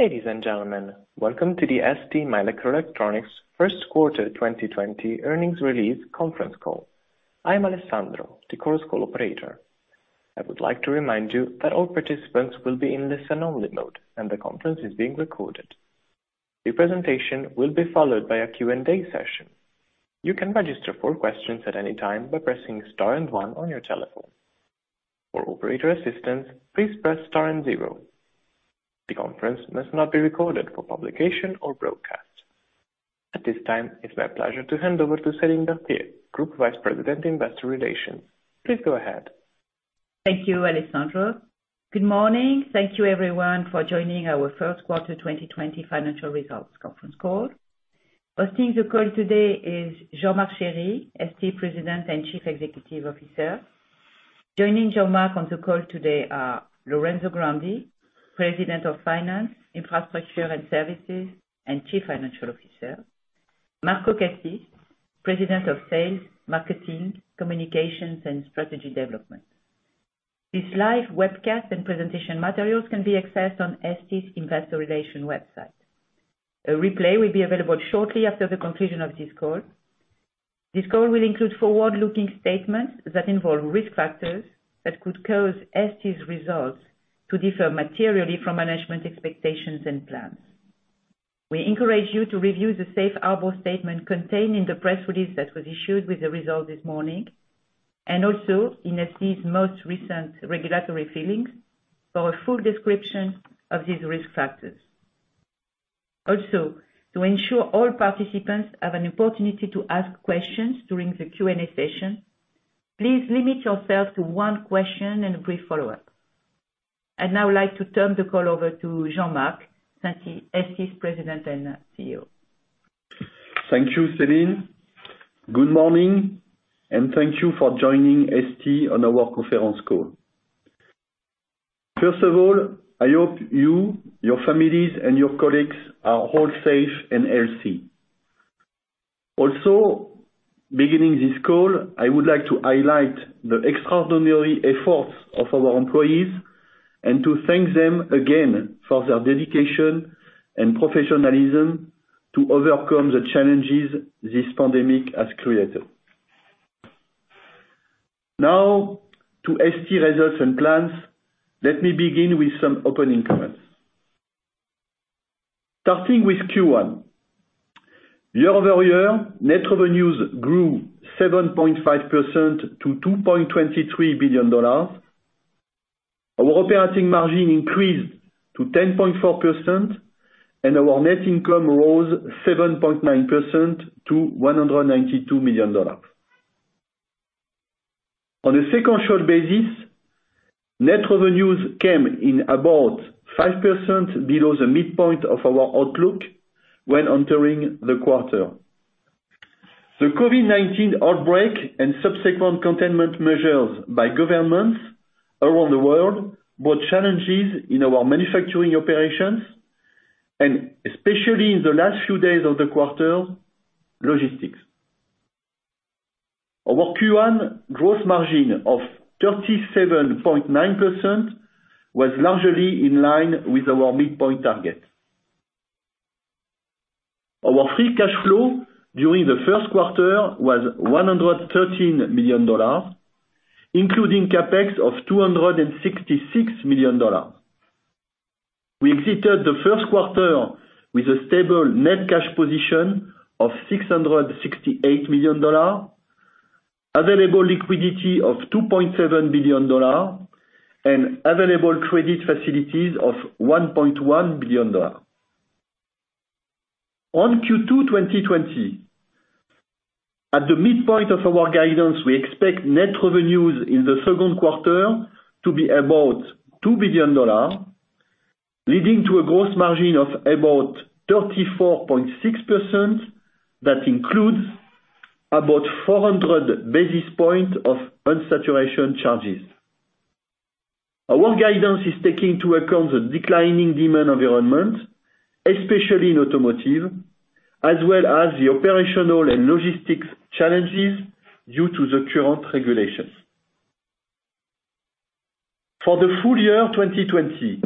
Ladies and gentlemen, welcome to the STMicroelectronics first quarter 2020 earnings release conference call. I am Alessandro, the Chorus Call operator. I would like to remind you that all participants will be in listen-only mode, and the conference is being recorded. The presentation will be followed by a Q&A session. You can register for questions at any time by pressing star and one on your telephone. For operator assistance, please press star and zero. The conference must not be recorded for publication or broadcast. At this time, it's my pleasure to hand over to Céline Berthier, Group Vice President, Investor Relations. Please go ahead. Thank you, Alessandro. Good morning. Thank you everyone for joining our first quarter 2020 financial results conference call. Hosting the call today is Jean-Marc Chery, ST President and Chief Executive Officer. Joining Jean-Marc on the call today are Lorenzo Grandi, President of Finance, Infrastructure, and Services and Chief Financial Officer, Marco Cassis, President of Sales, Marketing, Communications, and Strategy Development. This live webcast and presentation materials can be accessed on ST's investor relation website. A replay will be available shortly after the conclusion of this call. This call will include forward-looking statements that involve risk factors that could cause ST's results to differ materially from management expectations and plans. We encourage you to review the safe harbor statement contained in the press release that was issued with the results this morning, and also in ST's most recent regulatory filings for a full description of these risk factors. To ensure all participants have an opportunity to ask questions during the Q&A session, please limit yourself to one question and a brief follow-up. I'd now like to turn the call over to Jean-Marc, ST's President and CEO. Thank you, Céline. Good morning, and thank you for joining ST on our conference call. First of all, I hope you, your families, and your colleagues are all safe and healthy. Beginning this call, I would like to highlight the extraordinary efforts of our employees and to thank them again for their dedication and professionalism to overcome the challenges this pandemic has created. Now to ST results and plans. Let me begin with some opening comments. Starting with Q1. Year-over-year, net revenues grew 7.5% to $2.23 billion. Our operating margin increased to 10.4%, and our net income rose 7.9% to $192 million. On a sequential basis, net revenues came in about 5% below the midpoint of our outlook when entering the quarter. The COVID-19 outbreak and subsequent containment measures by governments around the world brought challenges in our manufacturing operations, and especially in the last few days of the quarter logistics. Our Q1 gross margin of 37.9% was largely in line with our midpoint target. Our free cash flow during the first quarter was $113 million, including CapEx of $266 million. We exited the first quarter with a stable net cash position of $668 million, available liquidity of $2.7 billion and available credit facilities of $1.1 billion. Q2 2020, at the midpoint of our guidance, we expect net revenues in the second quarter to be about $2 billion, leading to a gross margin of about 34.6% that includes about 400 basis points of underutilization charges. Our guidance is taking into account the declining demand environment, especially in automotive, as well as the operational and logistics challenges due to the current regulations. For the full year 2020,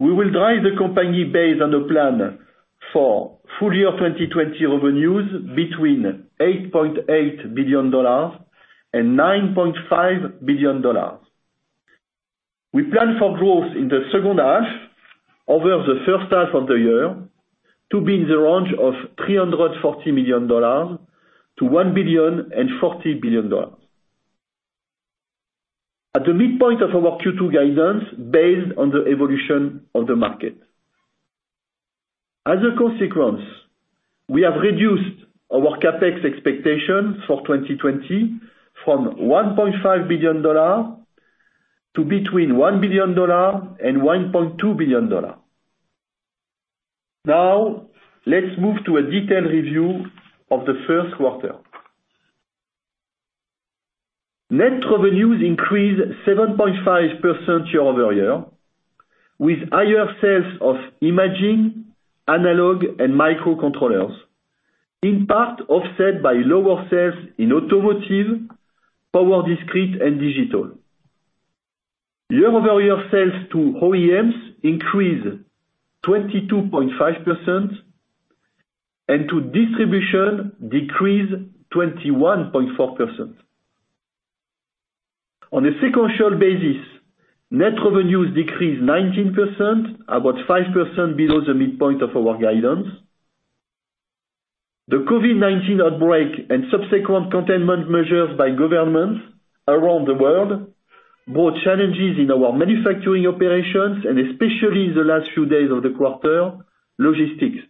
we will drive the company based on the plan for full year 2020 revenues between $8.8 billion and $9.5 billion. We plan for growth in the second half over the first half of the year to be in the range of $340 million-$1.04 billion at the midpoint of our Q2 guidance based on the evolution of the market. As a consequence, we have reduced our CapEx expectations for 2020 from $1.5 billion to between $1 billion and $1.2 billion. Let's move to a detailed review of the first quarter. Net revenues increased 7.5% year-over-year, with higher sales of imaging, analog, and microcontrollers, in part offset by lower sales in automotive, power, discrete, and digital. Year-over-year sales to OEMs increased 22.5% and to distribution decreased 21.4%. On a sequential basis, net revenues decreased 19%, about 5% below the midpoint of our guidance. The COVID-19 outbreak and subsequent containment measures by governments around the world brought challenges in our manufacturing operations, and especially in the last few days of the quarter, logistics.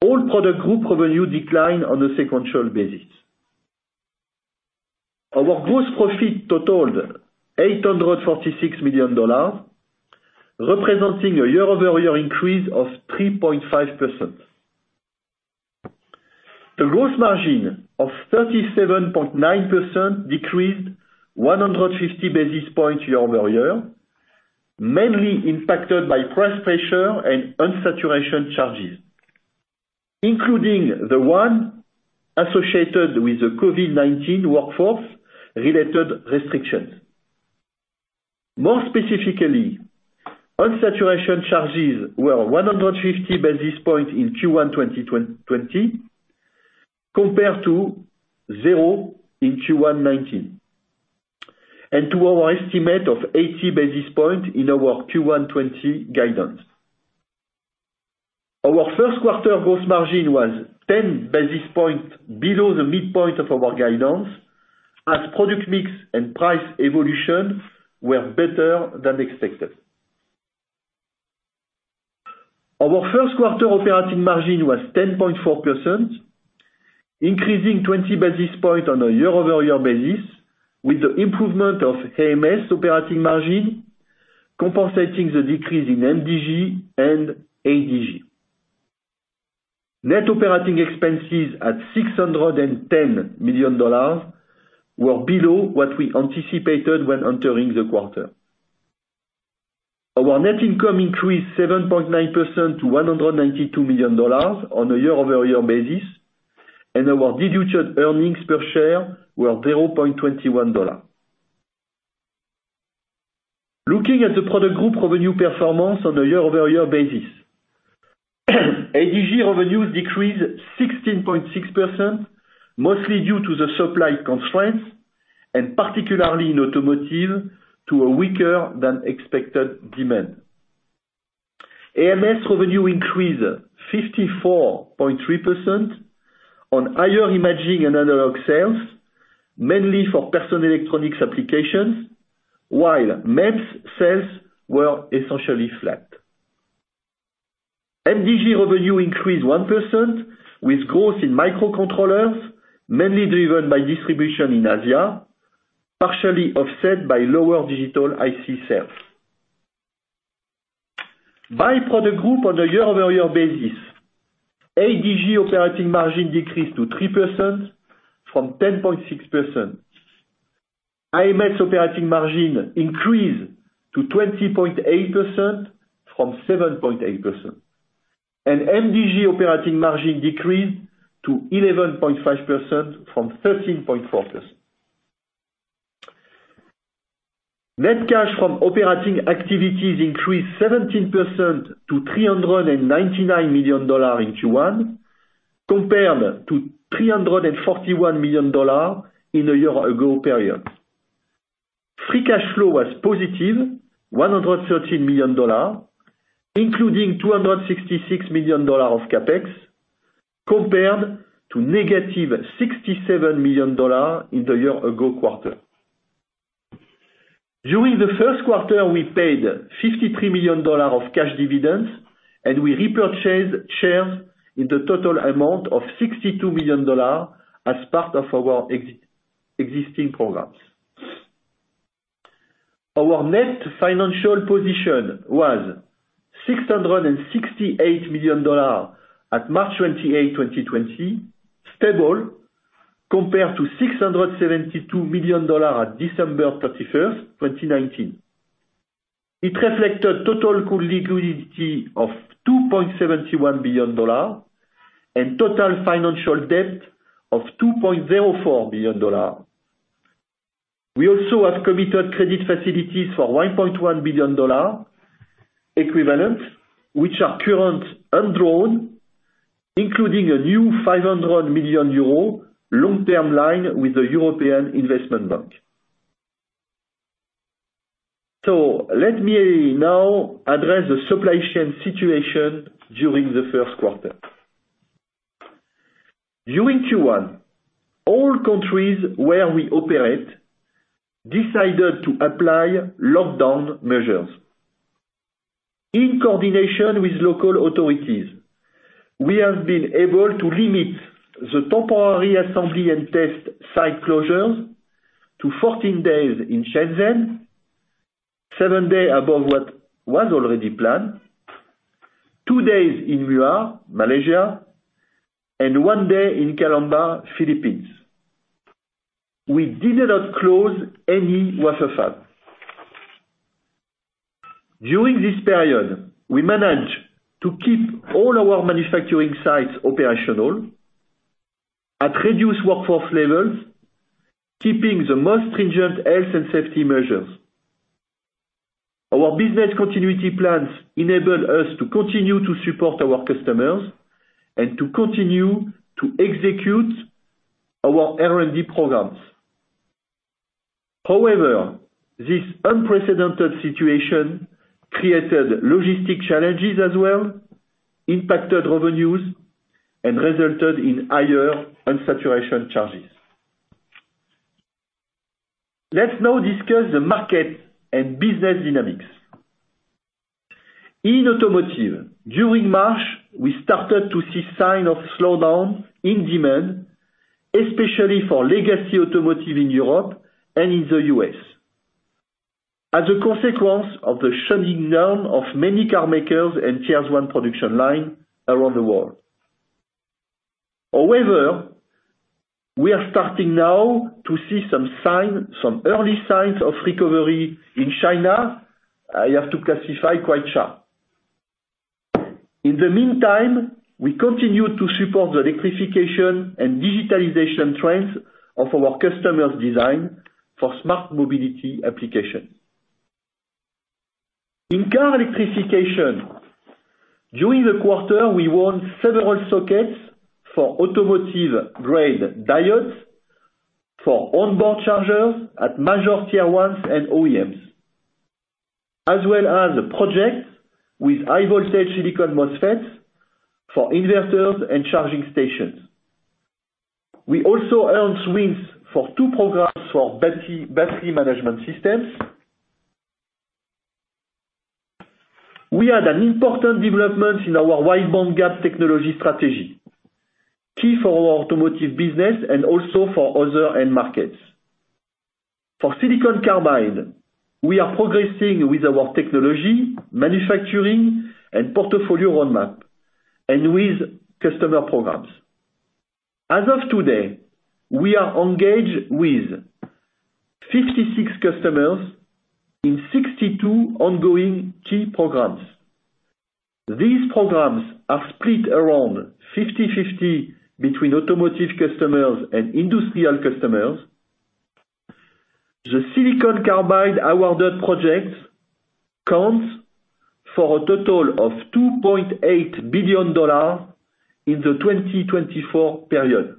All product group revenue declined on a sequential basis. Our gross profit totaled $846 million, representing a year-over-year increase of 3.5%. The gross margin of 37.9% decreased 150 basis points year-over-year, mainly impacted by price pressure and underutilization charges, including the one associated with the COVID-19 workforce related restrictions. More specifically, underutilization charges were 150 basis points in Q1 2020, compared to zero in Q1 2019, and to our estimate of 80 basis points in our Q1 2020 guidance. Our first quarter gross margin was 10 basis points below the midpoint of our guidance as product mix and price evolution were better than expected. Our first quarter operating margin was 10.4%, increasing 20 basis points on a year-over-year basis with the improvement of AMS operating margin compensating the decrease in NDG and ADG. Net operating expenses at $610 million were below what we anticipated when entering the quarter. Our net income increased 7.9% to $192 million on a year-over-year basis, and our diluted earnings per share were $0.21. Looking at the product group revenue performance on a year-over-year basis, ADG revenues decreased 16.6%, mostly due to the supply constraints, and particularly in automotive, to a weaker than expected demand. AMS revenue increased 54.3% on higher imaging and analog sales, mainly for personal electronics applications, while MEMS sales were essentially flat. MDG revenue increased 1% with growth in microcontrollers, mainly driven by distribution in Asia, partially offset by lower digital IC sales. Byproduct group on a year-over-year basis, ADG operating margin decreased to 3% from 10.6%. AMS operating margin increased to 20.8% from 7.8%, and NDG operating margin decreased to 11.5% from 13.4%. Net cash from operating activities increased 17% to $399 million in Q1, compared to $341 million in a year ago period. Free cash flow was +$113 million, including $266 million of CapEx, compared to -$67 million in the year-ago quarter. During the first quarter, we paid $53 million of cash dividends, and we repurchased shares in the total amount of $62 million as part of our existing programs. Our net financial position was $668 million at March 28th, 2020, stable compared to $672 million at December 31st, 2019. It reflected total liquidity of $2.71 billion and total financial debt of $2.04 billion. We also have committed credit facilities for $1.1 billion equivalent, which are current undrawn, including a new 500 million euro Lumpia line with the European Investment Bank. Let me now address the supply chain situation during the first quarter. During Q1, all countries where we operate decided to apply lockdown measures. In coordination with local authorities, we have been able to limit the temporary assembly and test site closures to 14 days in Shenzhen, seven day above what was already planned, two days in Muar, Malaysia, and one day in Calamba, Philippines. We did not close any wafer fab. During this period, we managed to keep all our manufacturing sites operational at reduced workforce levels, keeping the most stringent health and safety measures. Our business continuity plans enabled us to continue to support our customers and to continue to execute our R&D programs. However, this unprecedented situation created logistic challenges as well, impacted revenues, and resulted in higher underutilization charges. Let's now discuss the market and business dynamics. In automotive, during March, we started to see signs of slowdown in demand, especially for legacy automotive in Europe and in the U.S., as a consequence of the shutting down of many car makers and Tier 1 production lines around the world. We are starting now to see some early signs of recovery in China. I have to classify quite sharp. In the meantime, we continue to support the electrification and digitalization trends of our customers' design for smart mobility application. In car electrification, during the quarter, we won several sockets for automotive-grade diodes for onboard chargers at major Tier 1s and OEMs, as well as a project with high voltage silicon MOSFETs for inverters and charging stations. We also earned wins for two programs for battery management systems. We had an important development in our wide bandgap technology strategy, key for our automotive business and also for other end markets. For silicon carbide, we are progressing with our technology, manufacturing, and portfolio roadmap, and with customer programs. As of today, we are engaged with 56 customers in 62 ongoing key programs. These programs are split around 50/50 between automotive customers and industrial customers. The silicon carbide awarded projects counts for a total of $2.8 billion in the 2024 period.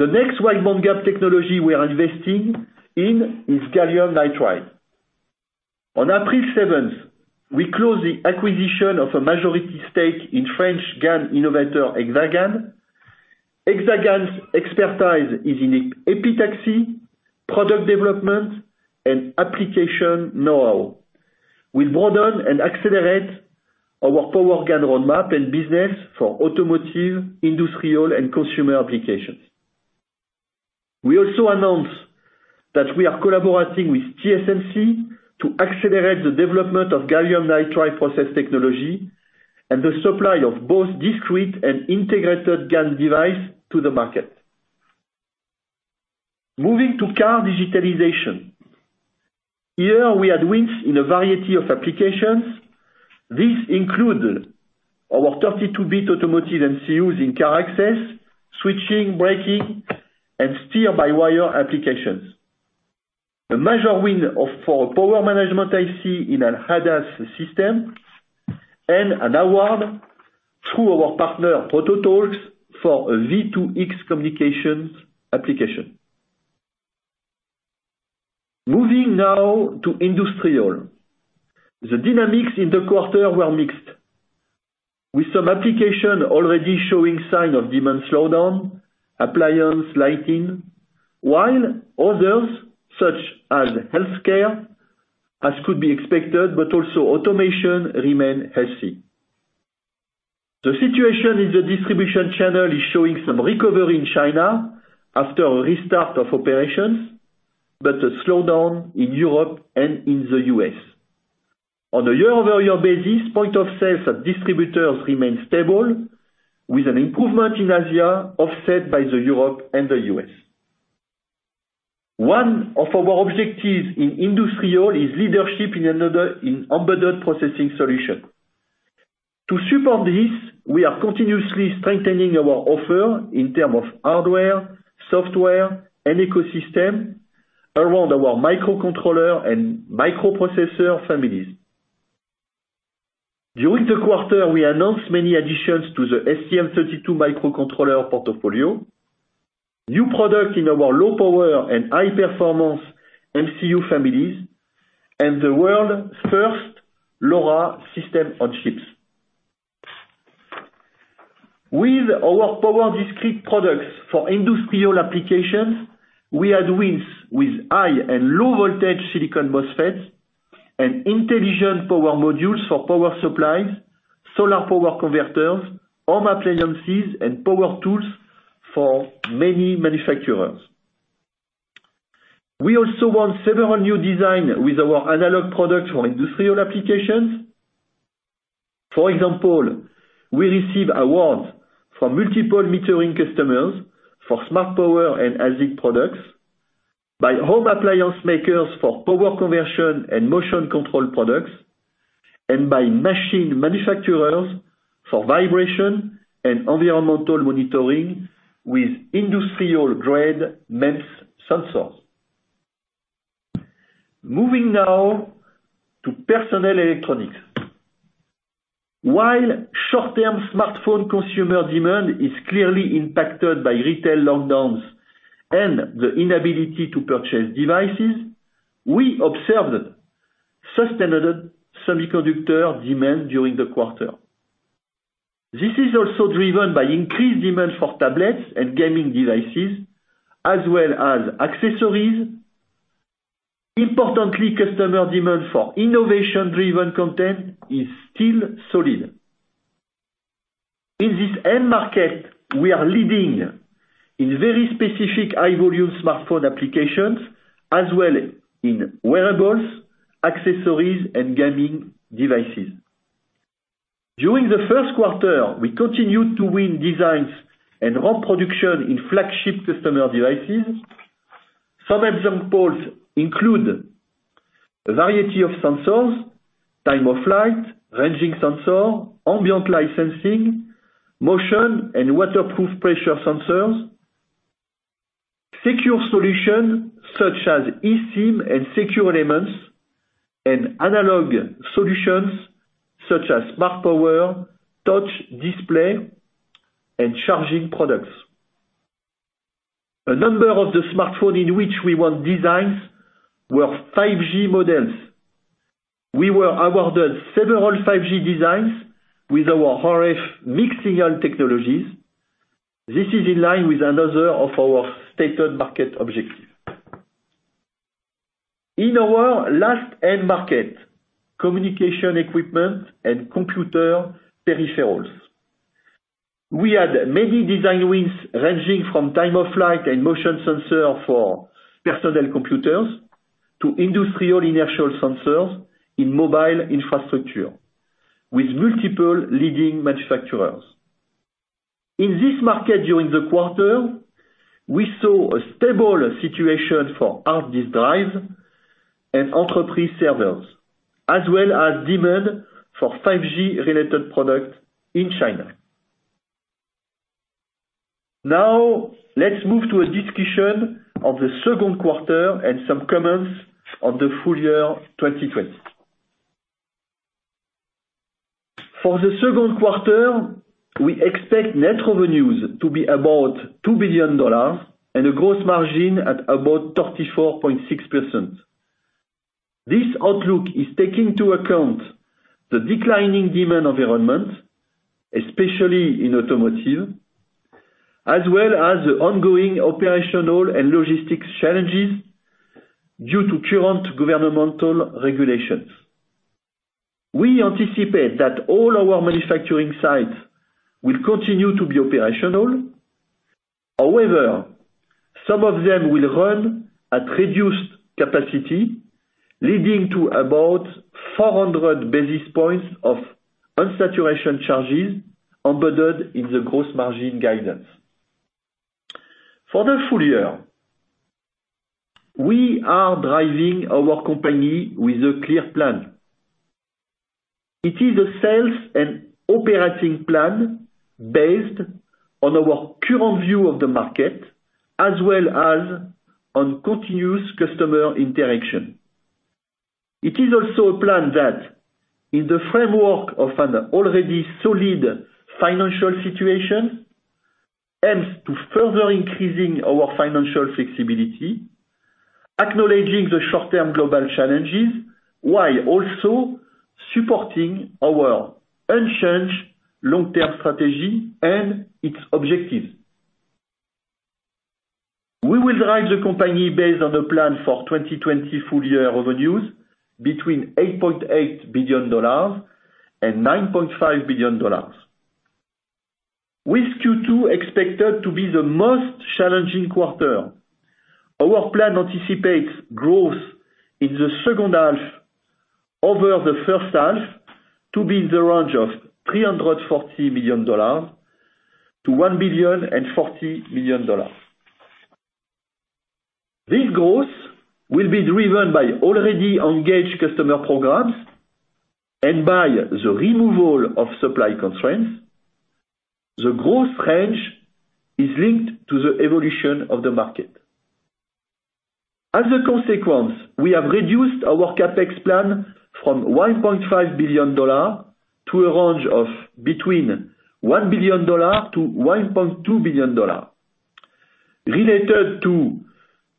The next wide bandgap technology we are investing in is gallium nitride. On April 7th, we closed the acquisition of a majority stake in French GaN innovator Exagan. Exagan's expertise is in epitaxy, product development, and application know-how. We broaden and accelerate our power GaN roadmap and business for automotive, industrial, and consumer applications. We also announce that we are collaborating with TSMC to accelerate the development of gallium nitride process technology and the supply of both discrete and integrated GaN device to the market. Moving to car digitalization. Here we had wins in a variety of applications. These include our 32-bit automotive MCUs in car access, switching, braking, and steer-by-wire applications. A major win for power management IC in an ADAS system, and an award through our partner Autotalks for a V2X communications application. Moving now to industrial. The dynamics in the quarter were mixed, with some application already showing sign of demand slowdown, appliance lighting, while others such as healthcare, as could be expected, but also automation remained healthy. The situation in the distribution channel is showing some recovery in China after a restart of operations, but a slowdown in Europe and in the U.S. On a year-over-year basis, point of sales at distributors remain stable, with an improvement in Asia offset by the Europe and the U.S. One of our objectives in industrial is leadership in embedded processing solution. To support this, we are continuously strengthening our offer in term of hardware, software, and ecosystem around our microcontroller and microprocessor families. During the quarter, we announced many additions to the STM32 microcontroller portfolio, new product in our low power and high performance MCU families, and the world's first LoRa system on chips. With our power discrete products for industrial applications, we had wins with high and low voltage silicon MOSFETs and intelligent power modules for power supplies, solar power converters, home appliances, and power tools for many manufacturers. We also won several new design with our analog products for industrial applications. For example, we receive awards from multiple metering customers for smart power and ASIC products, by home appliance makers for power conversion and motion control products, and by machine manufacturers for vibration and environmental monitoring with industrial-grade MEMS sensors. Moving now to personal electronics. While short-term smartphone consumer demand is clearly impacted by retail lockdowns and the inability to purchase devices, we observed sustained semiconductor demand during the quarter. This is also driven by increased demand for tablets and gaming devices, as well as accessories. Importantly, customer demand for innovation-driven content is still solid. In this end market, we are leading in very specific high-volume smartphone applications as well as in wearables, accessories, and gaming devices. During the first quarter, we continued to win designs and ramp production in flagship customer devices. Some examples include a variety of sensors, Time-of-Flight, ranging sensor, ambient light sensing, motion and waterproof pressure sensors, secure solutions such as eSIM and secure elements, and analog solutions such as smart power, touch display, and charging products. A number of the smartphone in which we won designs were 5G models. We were awarded several 5G designs with our RF mixed-signal technologies. This is in line with another of our stated market objective. In our last end market, communication equipment and computer peripherals, we had many design wins ranging from Time-of-Flight and motion sensor for personal computers to industrial inertial sensors in mobile infrastructure with multiple leading manufacturers. In this market during the quarter, we saw a stable situation for hard disk drive and enterprise servers, as well as demand for 5G-related products in China. Now, let's move to a discussion of the second quarter and some comments on the full year 2020. For the second quarter, we expect net revenues to be about $2 billion and a gross margin at about 34.6%. This outlook is taking into account the declining demand environment, especially in automotive, as well as the ongoing operational and logistics challenges due to current governmental regulations. We anticipate that all our manufacturing sites will continue to be operational. However, some of them will run at reduced capacity, leading to about 400 basis points of underutilization charges embedded in the gross margin guidance. For the full year, we are driving our company with a clear plan. It is a sales and operating plan based on our current view of the market as well as on continuous customer interaction. It is also a plan that, in the framework of an already solid financial situation, aims to further increasing our financial flexibility, acknowledging the short-term global challenges, while also supporting our unchanged long-term strategy and its objectives. We will drive the company based on the plan for 2020 full year revenues between $8.8 billion and $9.5 billion. With Q2 expected to be the most challenging quarter, our plan anticipates growth in the second half over the first half to be in the range of $340 million to $1 billion and $40 million. This growth will be driven by already engaged customer programs and by the removal of supply constraints. The growth range is linked to the evolution of the market. As a consequence, we have reduced our CapEx plan from $1.5 billion to a range of between $1 billion-$1.2 billion related to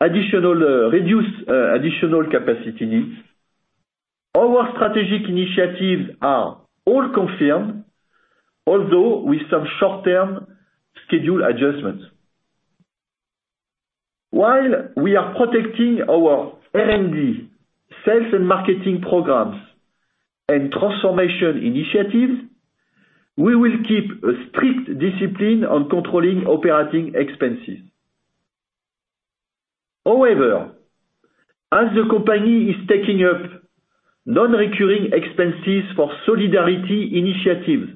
reduce additional capacity needs. Our strategic initiatives are all confirmed, although with some short-term schedule adjustments. While we are protecting our R&D sales and marketing programs and transformation initiatives, we will keep a strict discipline on controlling operating expenses. However, as the company is taking up non-recurring expenses for solidarity initiatives,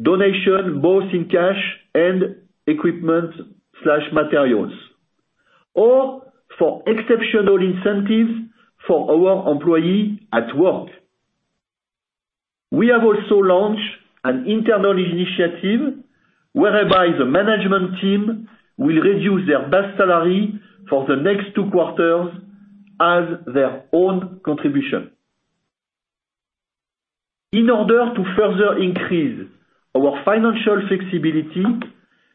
donation, both in cash and equipment/materials, or for exceptional incentives for our employee at work. We have also launched an internal initiative whereby the management team will reduce their base salary for the next two quarters as their own contribution. In order to further increase our financial flexibility,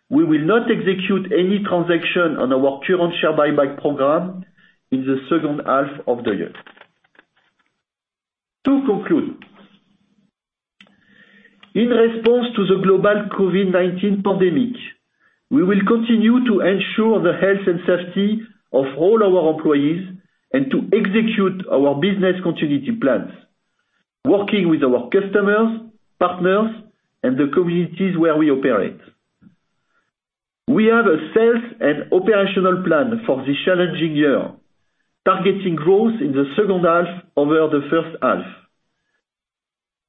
we will not execute any transaction on our current share buyback program in the second half of the year. To conclude, in response to the global COVID-19 pandemic, we will continue to ensure the health and safety of all our employees and to execute our business continuity plans, working with our customers, partners and the communities where we operate. We have a sales and operational plan for this challenging year, targeting growth in the second half over the first half.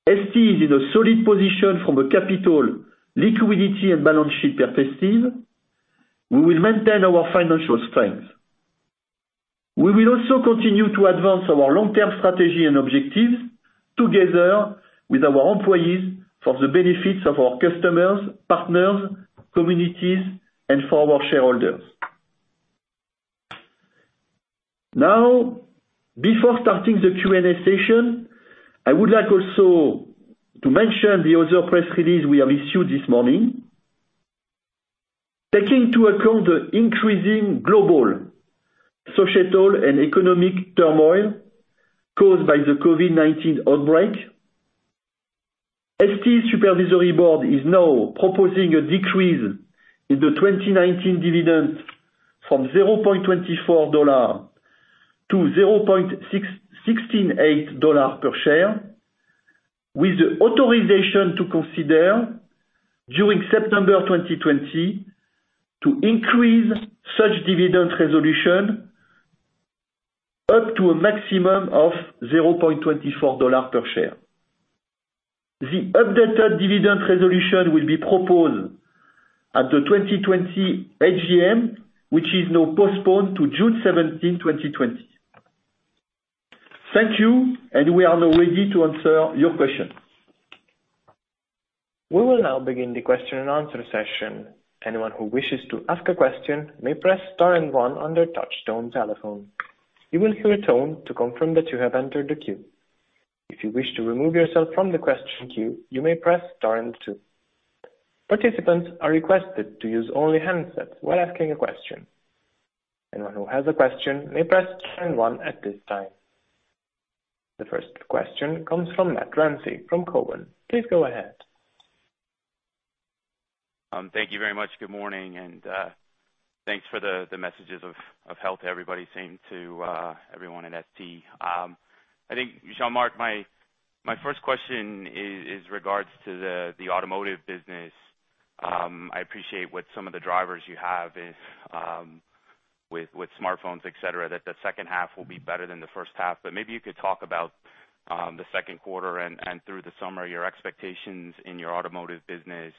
ST is in a solid position from a capital liquidity and balance sheet perspective. We will maintain our financial strength. We will also continue to advance our long-term strategy and objectives together with our employees for the benefits of our customers, partners, communities, and for our shareholders. Before starting the Q&A session, I would like also to mention the other press release we have issued this morning. Taking into account the increasing global societal and economic turmoil caused by the COVID-19 outbreak, ST Supervisory Board is now proposing a decrease in the 2019 dividend from $0.24 to $0.168 per share, with the authorization to consider during September 2020 to increase such dividend resolution up to a maximum of $0.24 per share. The updated dividend resolution will be proposed at the 2020 AGM, which is now postponed to June 17th, 2020. Thank you, and we are now ready to answer your questions. We will now begin the question and answer session. Anyone who has a question may press star and one at this time. The first question comes from Matt Ramsay from Cowen. Please go ahead. Thank you very much. Good morning, and thanks for the messages of health everybody sending to everyone at ST. I think, Jean-Marc, my first question is regards to the automotive business. I appreciate what some of the drivers you have is with smartphones, et cetera, that the second half will be better than the first half. Maybe you could talk about the second quarter and through the summer, your expectations in your automotive business.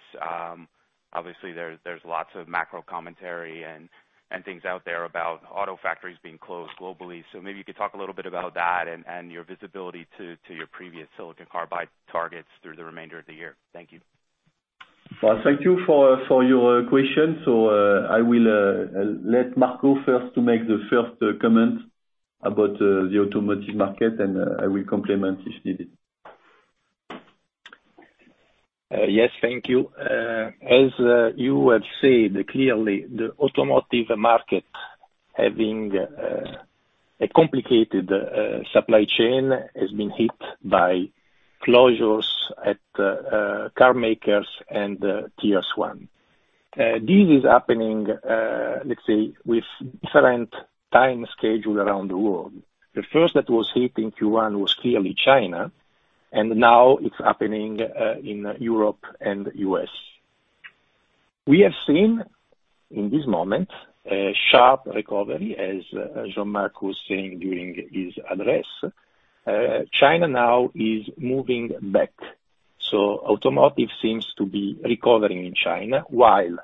Obviously, there's lots of macro commentary and things out there about auto factories being closed globally. Maybe you could talk a little bit about that and your visibility to your previous silicon carbide targets through the remainder of the year. Thank you. Well, thank you for your question. I will let Marco first to make the first comment about the automotive market, and I will complement if needed. Yes, thank you. As you have said, clearly, the automotive market having a complicated supply chain has been hit by closures at car makers and Tier 1. This is happening, let's say, with different time schedule around the world. The first that was hit in Q1 was clearly China. Now it's happening in Europe and U.S. We have seen in this moment a sharp recovery, as Jean-Marc was saying during his address. China now is moving back. Automotive seems to be recovering in China, while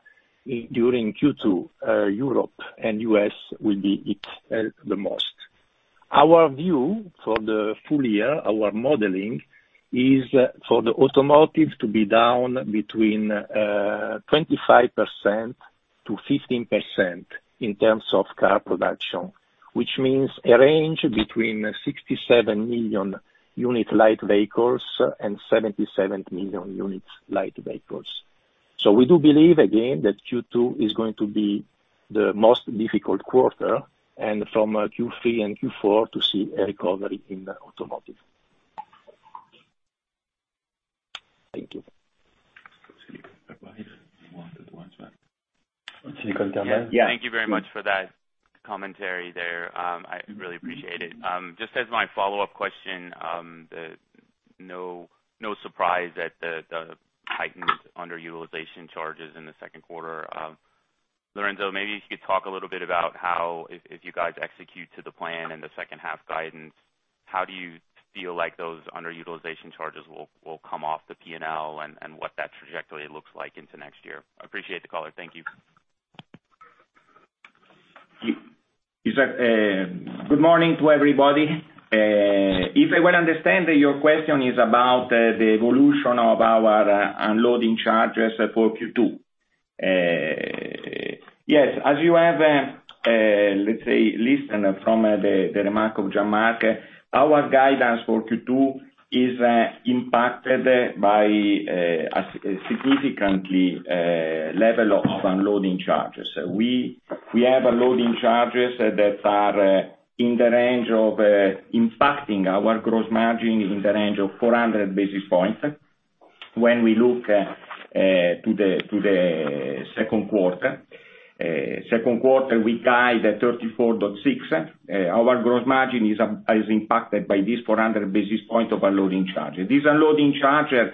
during Q2, Europe and U.S. will be hit the most. Our view for the full year, our modeling, is for the automotive to be down between 25%-15% in terms of car production, which means a range between 67 million unit light vehicles and 77 million units light vehicles. We do believe again that Q2 is going to be the most difficult quarter and from Q3 and Q4 to see a recovery in automotive. Thank you. Silicon carbide. One silicon carbide. Yeah. Thank you very much for that commentary there. I really appreciate it. Just as my follow-up question, No surprise at the heightened underutilization charges in the second quarter. Lorenzo, maybe if you could talk a little bit about how, if you guys execute to the plan in the second half guidance, how do you feel like those underutilization charges will come off the P&L and what that trajectory looks like into next year? I appreciate the caller. Thank you. Good morning to everybody. If I well understand, your question is about the evolution of our underloading charges for Q2. Yes. As you have listened from the remark of Jean-Marc, our guidance for Q2 is impacted by a significant level of underloading charges. We have underloading charges that are impacting our gross margin in the range of 400 basis points. When we look to the second quarter, we guide at 34.6%. Our gross margin is impacted by this 400 basis points of underloading charges. These underloading charges,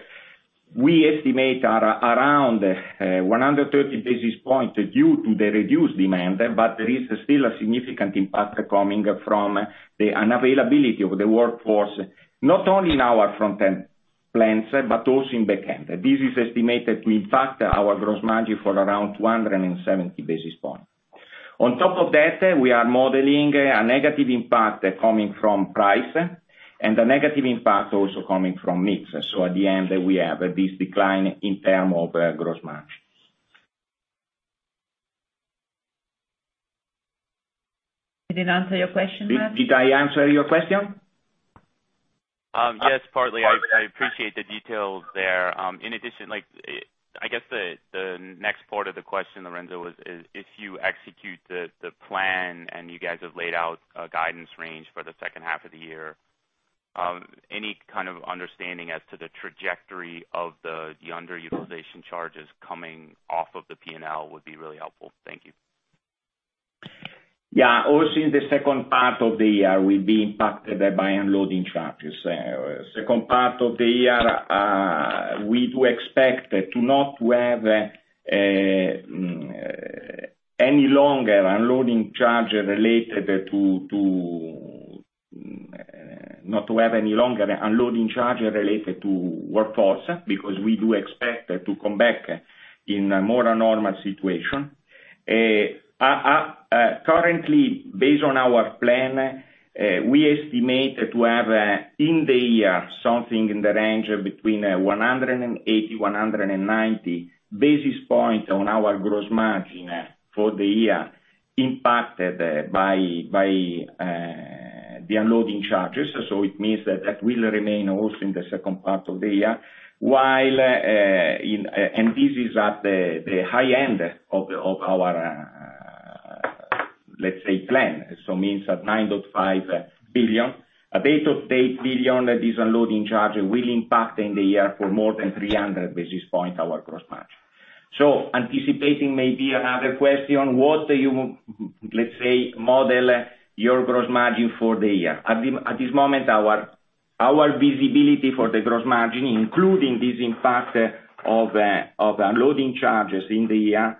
we estimate, are around 130 basis points due to the reduced demand, but there is still a significant impact coming from the unavailability of the workforce, not only in our front-end plants, but also in back-end. This is estimated to impact our gross margin for around 270 basis points. On top of that, we are modeling a negative impact coming from price and a negative impact also coming from mix. At the end, we have this decline in terms of gross margin. Did it answer your question, Matt? Did I answer your question? Yes, partly. I appreciate the details there. I guess the next part of the question, Lorenzo, was if you execute the plan and you guys have laid out a guidance range for the second half of the year, any kind of understanding as to the trajectory of the underutilization charges coming off of the P&L would be really helpful. Thank you. Also, in the second part of the year, we'll be impacted by underloading charges. Second part of the year, we do expect to not have any longer underloading charge related to workforce, because we do expect to come back in a more normal situation. Currently, based on our plan, we estimate to have, in the year, something in the range of between 180, 190 basis points on our gross margin for the year impacted by the underloading charges. It means that that will remain also in the second part of the year. This is at the high end of our, let's say, plan. Means at $9.5 billion. A base of $8 billion, this underloading charge will impact in the year for more than 300 basis point our gross margin. Anticipating maybe another question, what do you, let's say, model your gross margin for the year? At this moment, our visibility for the gross margin, including this impact of underloading charges in the year,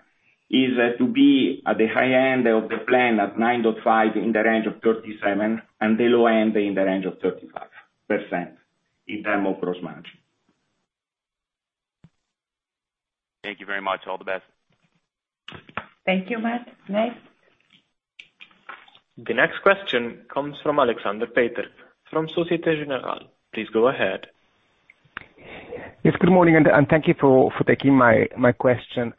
is to be at the high end of the plan at 9.5% in the range of 37%, and the low end in the range of 35% in terms of gross margin. Thank you very much. All the best. Thank you, Matt. Next. The next question comes from Alexander Peter from Société Générale. Please go ahead. Yes, good morning, thank you for taking my question.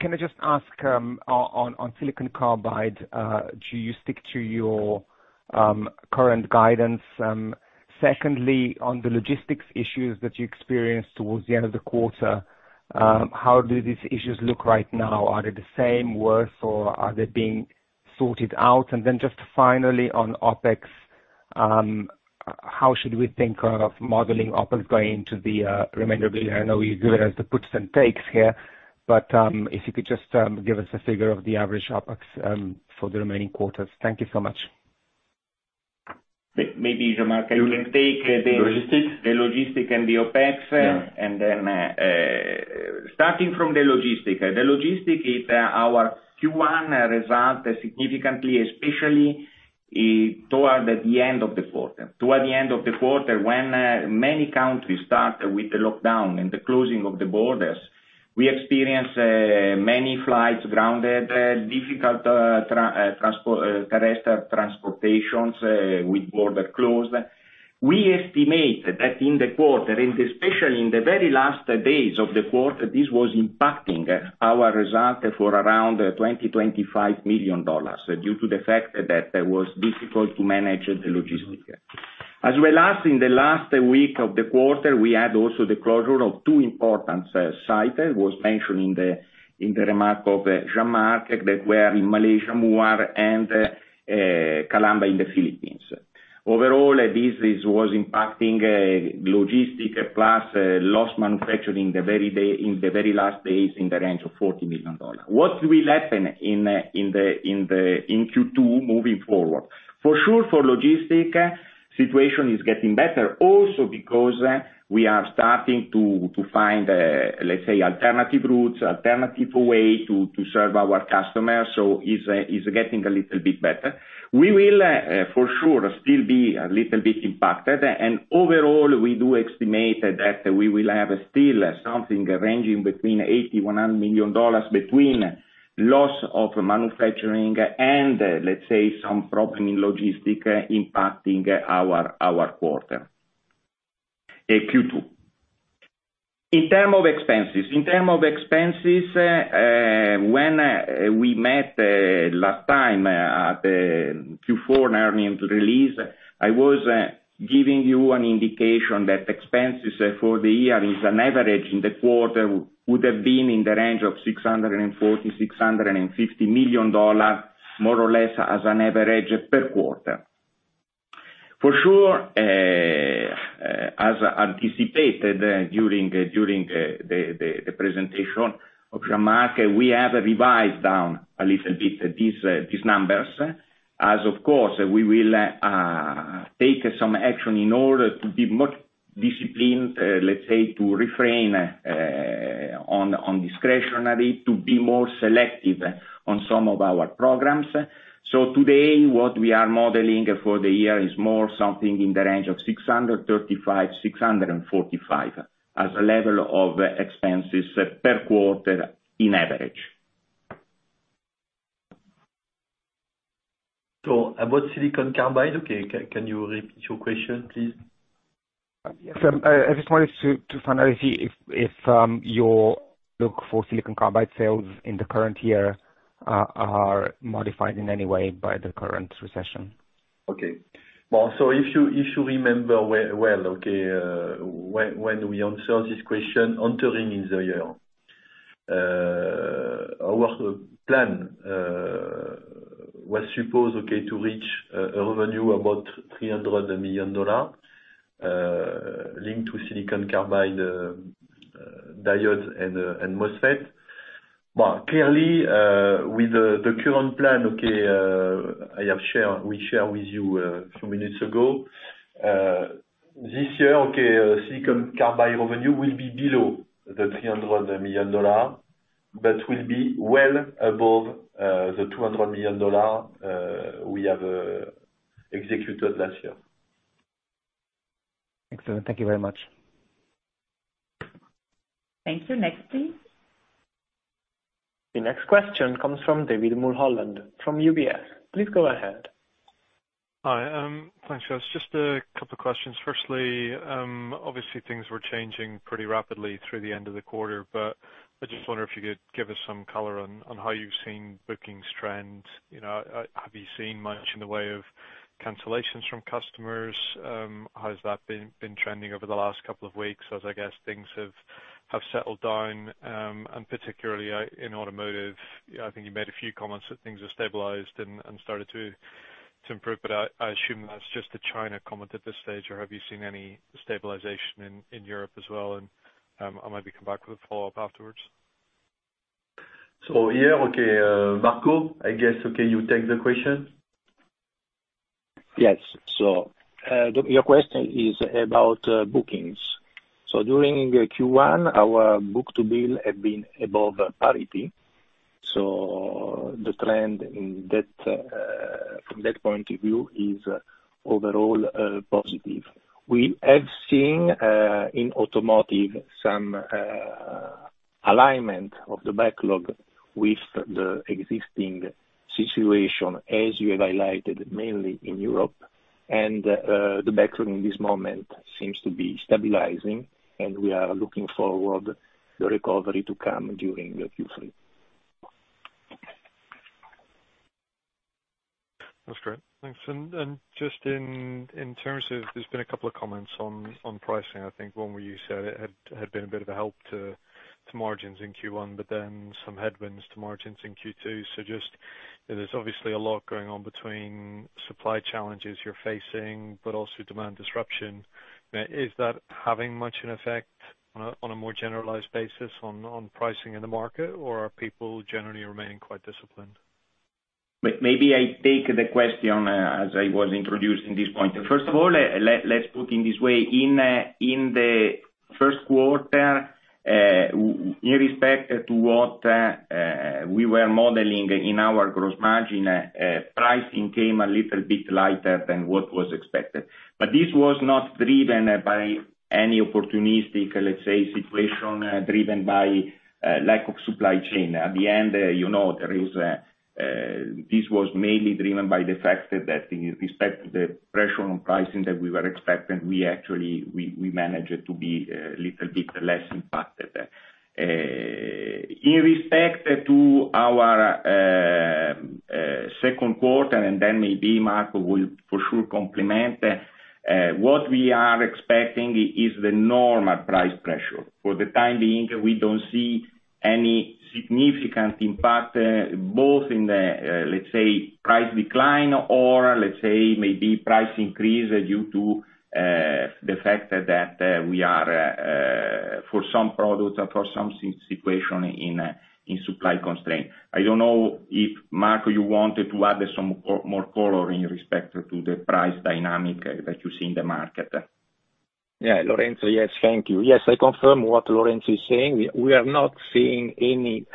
Can I just ask on silicon carbide, do you stick to your current guidance? Secondly, on the logistics issues that you experienced towards the end of the quarter, how do these issues look right now? Are they the same, worse, or are they being sorted out? Just finally on OpEx, how should we think of modeling OpEx going into the remainder of the year? I know you do the puts and takes here, but, if you could just give us a figure of the average OpEx for the remaining quarters. Thank you so much. Maybe Jean-Marc. Logistics? The logistic and the OpEx. Yeah. Starting from the logistics. The logistics is our Q1 result significantly, especially toward the end of the quarter. Toward the end of the quarter, when many countries start with the lockdown and the closing of the borders, we experienced many flights grounded, difficult terrestrial transportations with border closed. We estimate that in the quarter, especially in the very last days of the quarter, this was impacting our result for around $20 million-$25 million, due to the fact that it was difficult to manage the logistics. In the last week of the quarter, we had also the closure of two important site, was mentioned in the remark of Jean-Marc, that were in Malaysia, Muar, and Calamba in the Philippines. This was impacting logistics plus lost manufacturing in the very last days in the range of $40 million. What will happen in Q2 moving forward? For sure, for logistics, situation is getting better. Also because we are starting to find, let's say, alternative routes, alternative ways to serve our customers, is getting a little bit better. We will, for sure, still be a little bit impacted. Overall, we do estimate that we will have still something ranging between $80 million-$100 million, between loss of manufacturing and, let's say, some problems in logistics impacting our quarter in Q2. In terms of expenses. When we met last time at the Q4 earnings release, I was giving you an indication that expenses for the year as an average in the quarter would have been in the range of $640million-$650 million, more or less as an average per quarter. For sure, as anticipated during the presentation of Jean-Marc, we have revised down a little bit these numbers as, of course, we will take some action in order to be more disciplined, let's say, to refrain on discretionary, to be more selective on some of our programs. Today, what we are modeling for the year is more something in the range of $635 million-$645 million as a level of expenses per quarter in average. About silicon carbide, okay, can you repeat your question, please? Yes. I just wanted to finally see if your look for silicon carbide sales in the current year are modified in any way by the current recession. Okay. Well, if you remember well, okay, when we answered this question entering in the year. Our plan was supposed, okay, to reach revenue about $300 million linked to silicon carbide, diode and MOSFET. Clearly, with the current plan, okay, we share with you a few minutes ago. This year, okay, silicon carbide revenue will be below the $300 million, but will be well above the $200 million we have executed last year. Excellent. Thank you very much. Thank you. Next, please. The next question comes from David Mulholland from UBS. Please go ahead. Hi. Thanks, guys. Just a couple of questions. Firstly, obviously things were changing pretty rapidly through the end of the quarter, but I just wonder if you could give us some color on how you've seen bookings trend. Have you seen much in the way of cancellations from customers? How has that been trending over the last couple of weeks as, I guess, things have settled down, and particularly, in automotive? I think you made a few comments that things have stabilized and started to improve, but I assume that's just a China comment at this stage, or have you seen any stabilization in Europe as well? I'll maybe come back with a follow-up afterwards. Yeah, okay, Marco, I guess, okay, you take the question. Yes. Your question is about bookings. During Q1, our book-to-bill had been above parity. The trend from that point of view is overall positive. We have seen, in automotive, some alignment of the backlog with the existing situation as you have highlighted mainly in Europe. The backlog in this moment seems to be stabilizing, and we are looking forward the recovery to come during the Q3. That's great. Thanks. Just in terms of, there's been a couple of comments on pricing. I think one where you said it had been a bit of a help to margins in Q1, but then some headwinds to margins in Q2. Just, there's obviously a lot going on between supply challenges you're facing, but also demand disruption. Is that having much an effect on a more generalized basis on pricing in the market, or are people generally remaining quite disciplined? Maybe I take the question as I was introducing this point. First of all, let's put in this way. In the first quarter, in respect to what we were modeling in our gross margin, pricing came a little bit lighter than what was expected. This was not driven by any opportunistic, let's say, situation driven by lack of supply chain. At the end, this was mainly driven by the fact that in respect to the pressure on pricing that we were expecting, we actually managed to be a little bit less impacted. In respect to our second quarter, maybe Marco will for sure complement. What we are expecting is the normal price pressure. For the time being, we don't see any significant impact, both in the, let's say, price decline or, let's say, maybe price increase due to the fact that we are, for some products or for some situation, in supply constraint. I don't know if, Marco, you wanted to add some more color in respect to the price dynamic that you see in the market. Yeah, Lorenzo. Yes, thank you. Yes, I confirm what Lorenzo is saying. We are not seeing any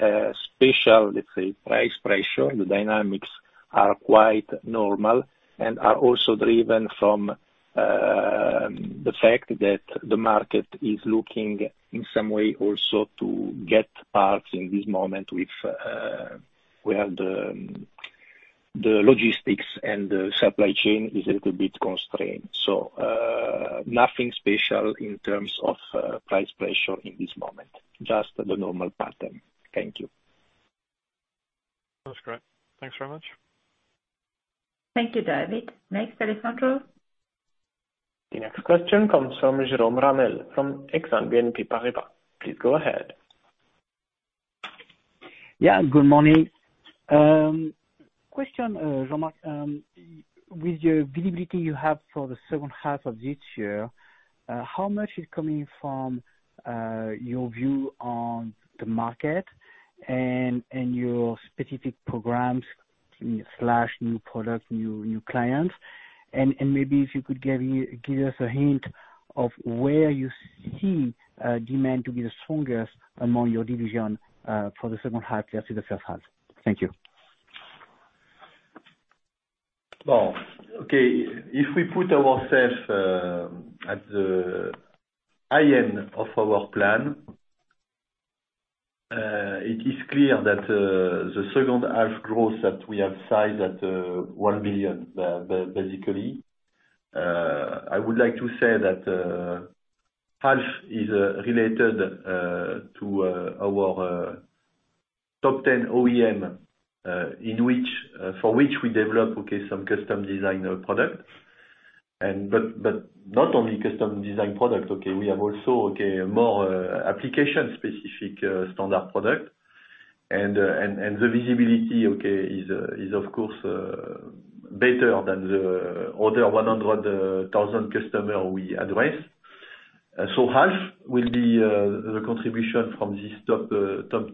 special, let's say, price pressure. The dynamics are quite normal and are also driven from the fact that the market is looking in some way also to get parts in this moment where the logistics and the supply chain is a little bit constrained. Nothing special in terms of price pressure in this moment, just the normal pattern. Thank you. That's great. Thanks very much. Thank you, David. Next telephone call. The next question comes from Jérôme Ramel of Exane BNP Paribas. Please go ahead. Yeah, good morning. Question, Jean-Marc. With your visibility you have for the second half of this year, how much is coming from your view on the market and your specific programs/new products, new clients? Maybe if you could give us a hint of where you see demand to be the strongest among your division, for the second half versus the first half. Thank you. Well, okay. If we put ourselves at the high end of our plan, it is clear that the second half growth that we have sized at $1 billion, basically. I would like to say that half is related to our top 10 OEM, for which we develop some custom designer products. Not only custom design product, okay? We have also more application-specific standard product. The visibility is of course better than the other 100,000 customer we address. Half will be the contribution from this top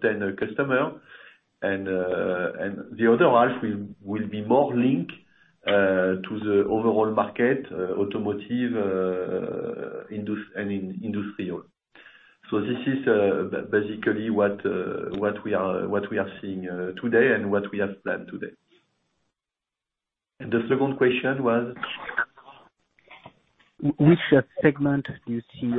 10 customer and the other half will be more linked to the overall market, automotive, and industrial. This is basically what we are seeing today and what we have planned today. The second question was? Which segment do you see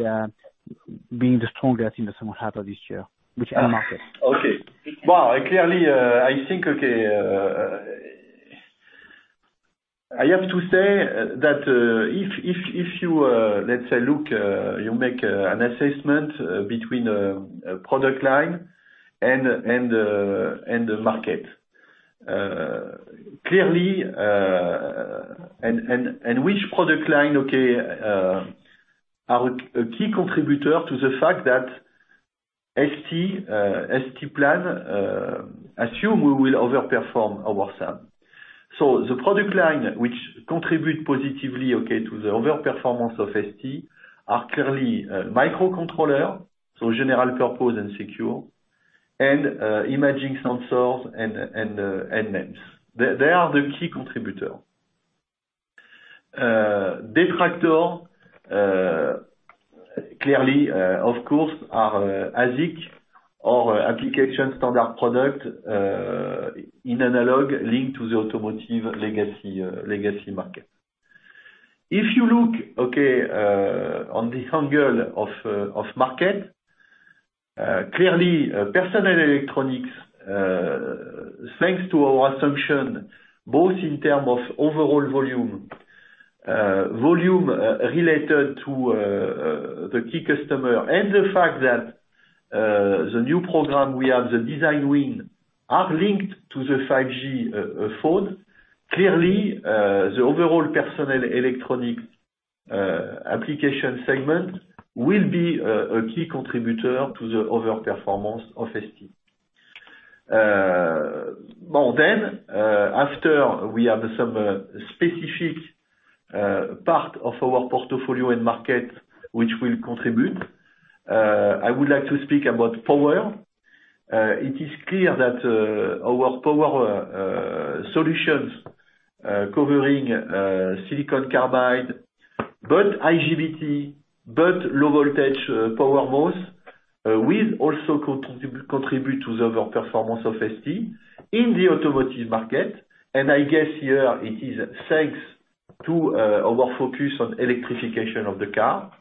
being the strongest in the second half of this year? Which end market? Okay. Well, clearly, I have to say that if you, let's say, you make an assessment between product line and the market. Which product line are a key contributor to the fact that ST plan assume we will overperform ourselves. The product line which contribute positively to the overperformance of ST are clearly microcontroller, general purpose and secure, and imaging sensors and MEMS. They are the key contributor. Detractor, clearly, of course, are ASIC or application standard product, in analog linked to the automotive legacy market. If you look on the angle of market, clearly personal electronics, thanks to our assumption, both in term of overall volume related to the key customer and the fact that the new program we have, the design win, are linked to the 5G phone. Clearly, the overall personal electronic application segment will be a key contributor to the overperformance of ST. More, after we have some specific part of our portfolio and market which will contribute, I would like to speak about power. It is clear that our power solutions, covering silicon carbide, both IGBT, both low voltage power MOSFET, will also contribute to the overperformance of ST in the automotive market. I guess here it is thanks to our focus on electrification of the car.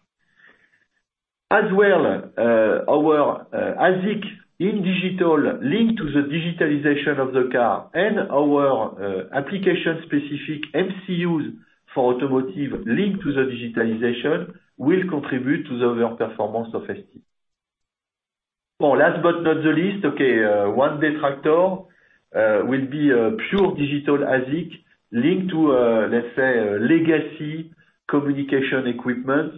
As well, our ASIC in digital linked to the digitalization of the car and our application-specific MCUs for automotive linked to the digitalization will contribute to the overperformance of ST. Last but not least, okay, one detractor will be pure digital ASIC linked to, let's say, legacy communication equipment,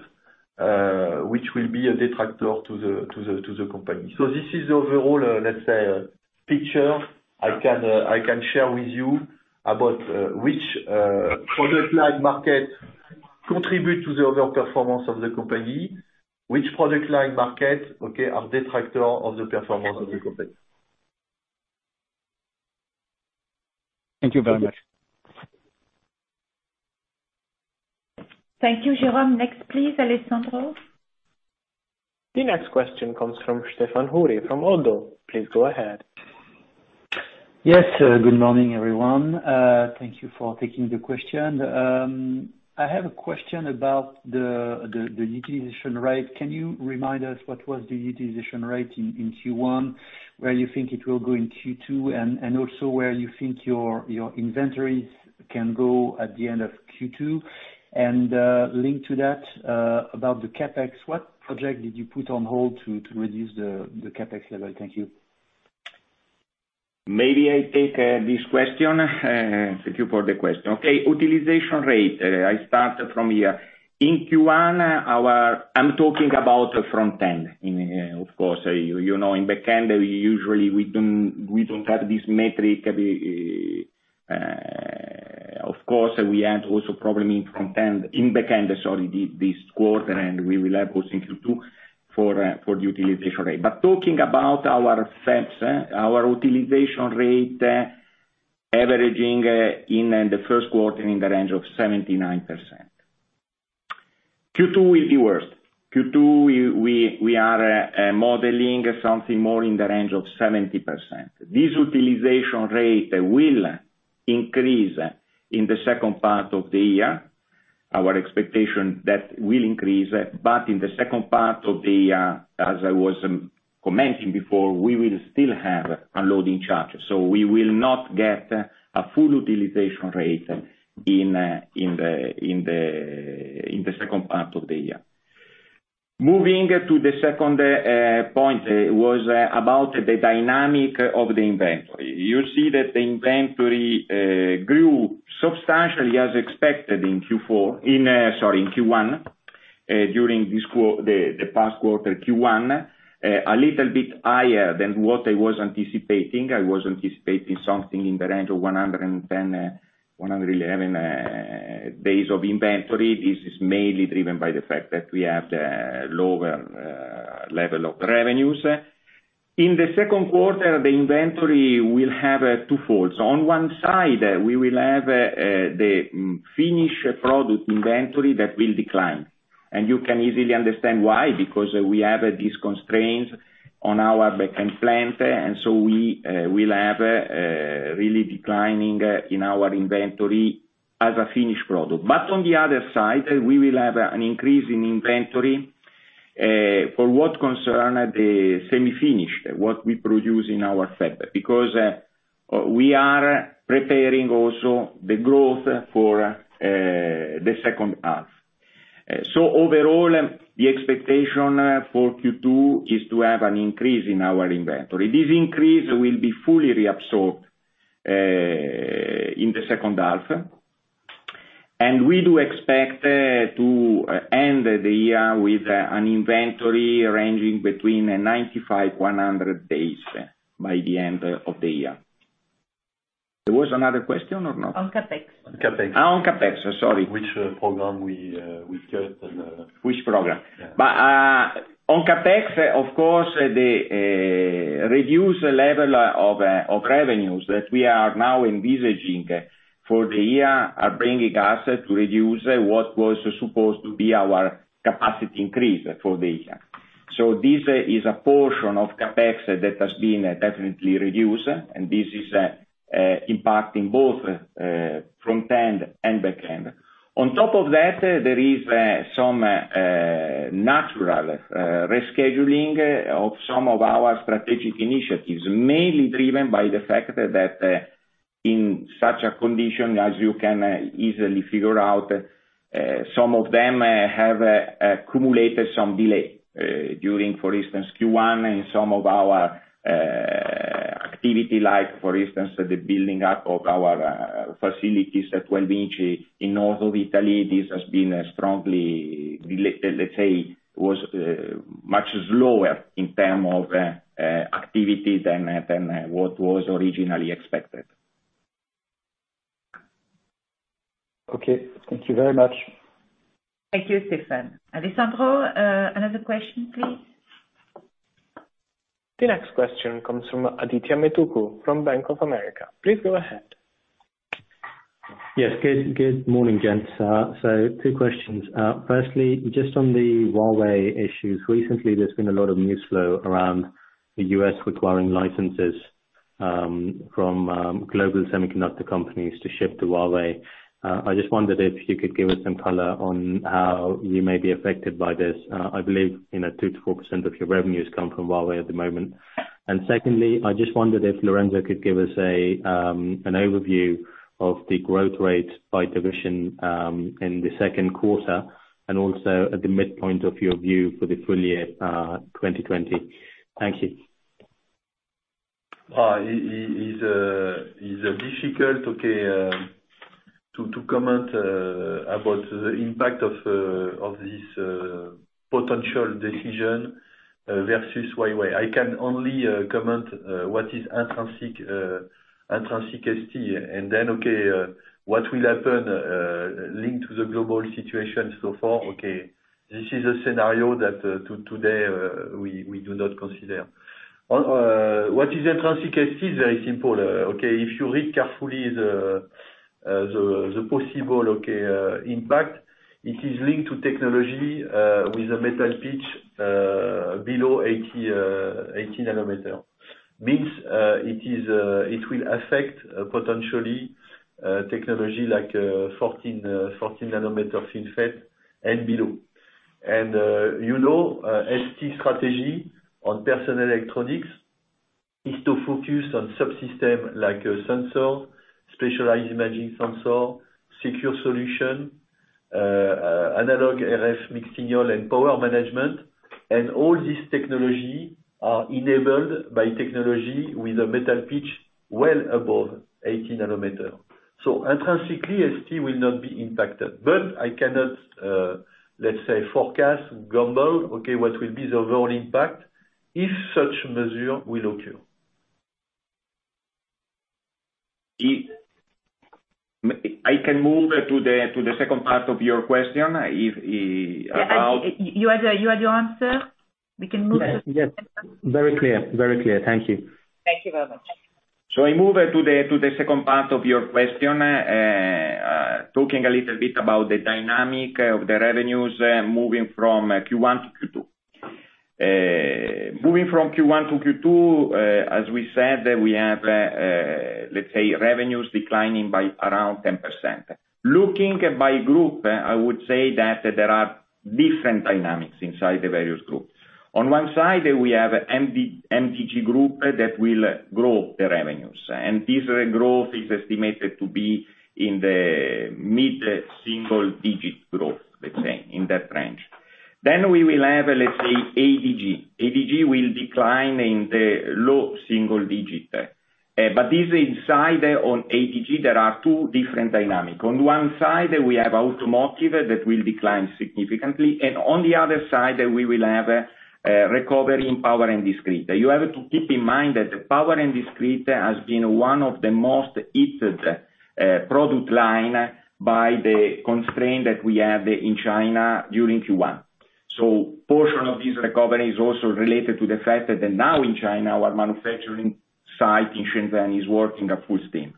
which will be a detractor to the company. This is overall, let's say, a picture I can share with you about which product line market contribute to the overall performance of the company, which product line market, okay, are detractor of the performance of the company. Thank you very much. Thank you, Jérôme. Next, please, Alessandro. The next question comes from Stéphane Houri from ODDO BHF. Please go ahead. Yes. Good morning, everyone. Thank you for taking the question. I have a question about the utilization rate. Can you remind us what was the utilization rate in Q1, where you think it will go in Q2, and also where you think your inventories can go at the end of Q2? Linked to that, about the CapEx, what project did you put on hold to reduce the CapEx level? Thank you. Maybe I take this question. Thank you for the question. Utilization rate, I start from here. In Q1, I'm talking about the front end, of course. You know, in back end, usually, we don't have this metric. Of course, we had also problem in back end, sorry, this quarter, and we will have also in Q2 for the utilization rate. Talking about our fabs, our utilization rate averaging in the first quarter in the range of 79%. Q2 will be worse. Q2, we are modeling something more in the range of 70%. This utilization rate will increase in the second part of the year. Our expectation, that will increase, but in the second part of the year, as I was commenting before, we will still have underloading charges. We will not get a full utilization rate in the second part of the year. Moving to the second point, was about the dynamic of the inventory. You see that the inventory grew substantially as expected in Q4, sorry, in Q1, during the past quarter, Q1. A little bit higher than what I was anticipating. I was anticipating something in the range of 110-111 days of inventory. This is mainly driven by the fact that we have the lower level of revenues. In the second quarter, the inventory will have two folds. On one side, we will have the finished product inventory that will decline. You can easily understand why, because we have these constraints on our back-end plant, we will have really declining in our inventory as a finished product. On the other side, we will have an increase in inventory. For what concern the semi-finished, what we produce in our fab, because we are preparing also the growth for the second half. Overall, the expectation for Q2 is to have an increase in our inventory. This increase will be fully reabsorbed in the second half, and we do expect to end the year with an inventory ranging between 95-100 days by the end of the year. There was another question or not? On CapEx. On CapEx. On CapEx, sorry. Which program we take? Which program? Yeah. On CapEx, of course, the reduced level of revenues that we are now envisaging for the year are bringing us to reduce what was supposed to be our capacity increase for the year. This is a portion of CapEx that has been definitely reduced, and this is impacting both front-end and back-end. On top of that, there is some natural rescheduling of some of our strategic initiatives, mainly driven by the fact that in such a condition, as you can easily figure out, some of them have accumulated some delay. During, for instance, Q1 in some of our activity like, for instance, the building up of our facilities at Valvinci in north of Italy, this has been strongly, let's say, was much slower in term of activity than what was originally expected. Okay. Thank you very much. Thank you, Stéphane. Alessandro, another question, please. The next question comes from Adithya Metuku from Bank of America. Please go ahead. Yes. Good morning, gents. Two questions. Firstly, just on the Huawei issues. Recently, there's been a lot of news flow around the U.S. requiring licenses from global semiconductor companies to ship to Huawei. I just wondered if you could give us some color on how you may be affected by this. I believe 2%-4% of your revenues come from Huawei at the moment. Secondly, I just wondered if Lorenzo could give us an overview of the growth rate by division in the second quarter and also at the midpoint of your view for the full year 2020. Thank you. It's difficult to comment about the impact of this potential decision versus wafer. I can only comment what is intrinsic ST, then, okay, what will happen linked to the global situation so far. This is a scenario that today we do not consider. What is intrinsic ST? Very simple. If you read carefully the possible impact, it is linked to technology with a metal pitch below 80 nm. It will affect, potentially, technology like 14 nm-FinFET and below. You know, ST strategy on personal electronics is to focus on subsystems like sensor, specialized imaging sensor, secure solution, analog RF, mixed signal, and power management. All this technology are enabled by technology with a metal pitch well above 80 nm. Intrinsically, ST will not be impacted. I cannot, let's say, forecast, gamble, what will be the overall impact if such measure will occur. I can move to the second part of your question. You had your answer? We can move. Yes. Very clear. Thank you. Thank you very much. I move to the second part of your question, talking a little bit about the dynamic of the revenues moving from Q1 to Q2. Moving from Q1 to Q2, as we said, we have, let's say, revenues declining by around 10%. Looking by group, I would say that there are different dynamics inside the various groups. On one side, we have MDG group that will grow the revenues, and this growth is estimated to be in the mid-single digit growth, let's say, in that range. We will have, let's say, ADG. ADG will decline in the low single digit. This inside on ADG, there are two different dynamic. On one side, we have automotive that will decline significantly, and on the other side, we will have a recovery in power and discrete. You have to keep in mind that power and discrete has been one of the most hit product line by the constraint that we had in China during Q1. Portion of this recovery is also related to the fact that now in China, our manufacturing site in Shenzhen is working at full steam.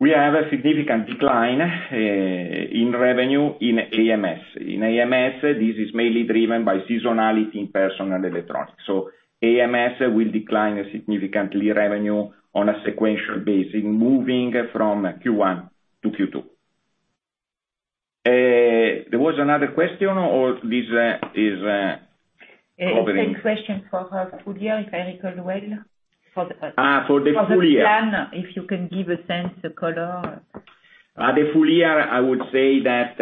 We have a significant decline in revenue in AMS. In AMS, this is mainly driven by seasonality in personal electronics. AMS will decline significantly revenue on a sequential basis, moving from Q1 to Q2. There was another question, or this is covering? It's a question for full year, if I recall well. For the full year. For the plan, if you can give a sense, a color. The full year, I would say that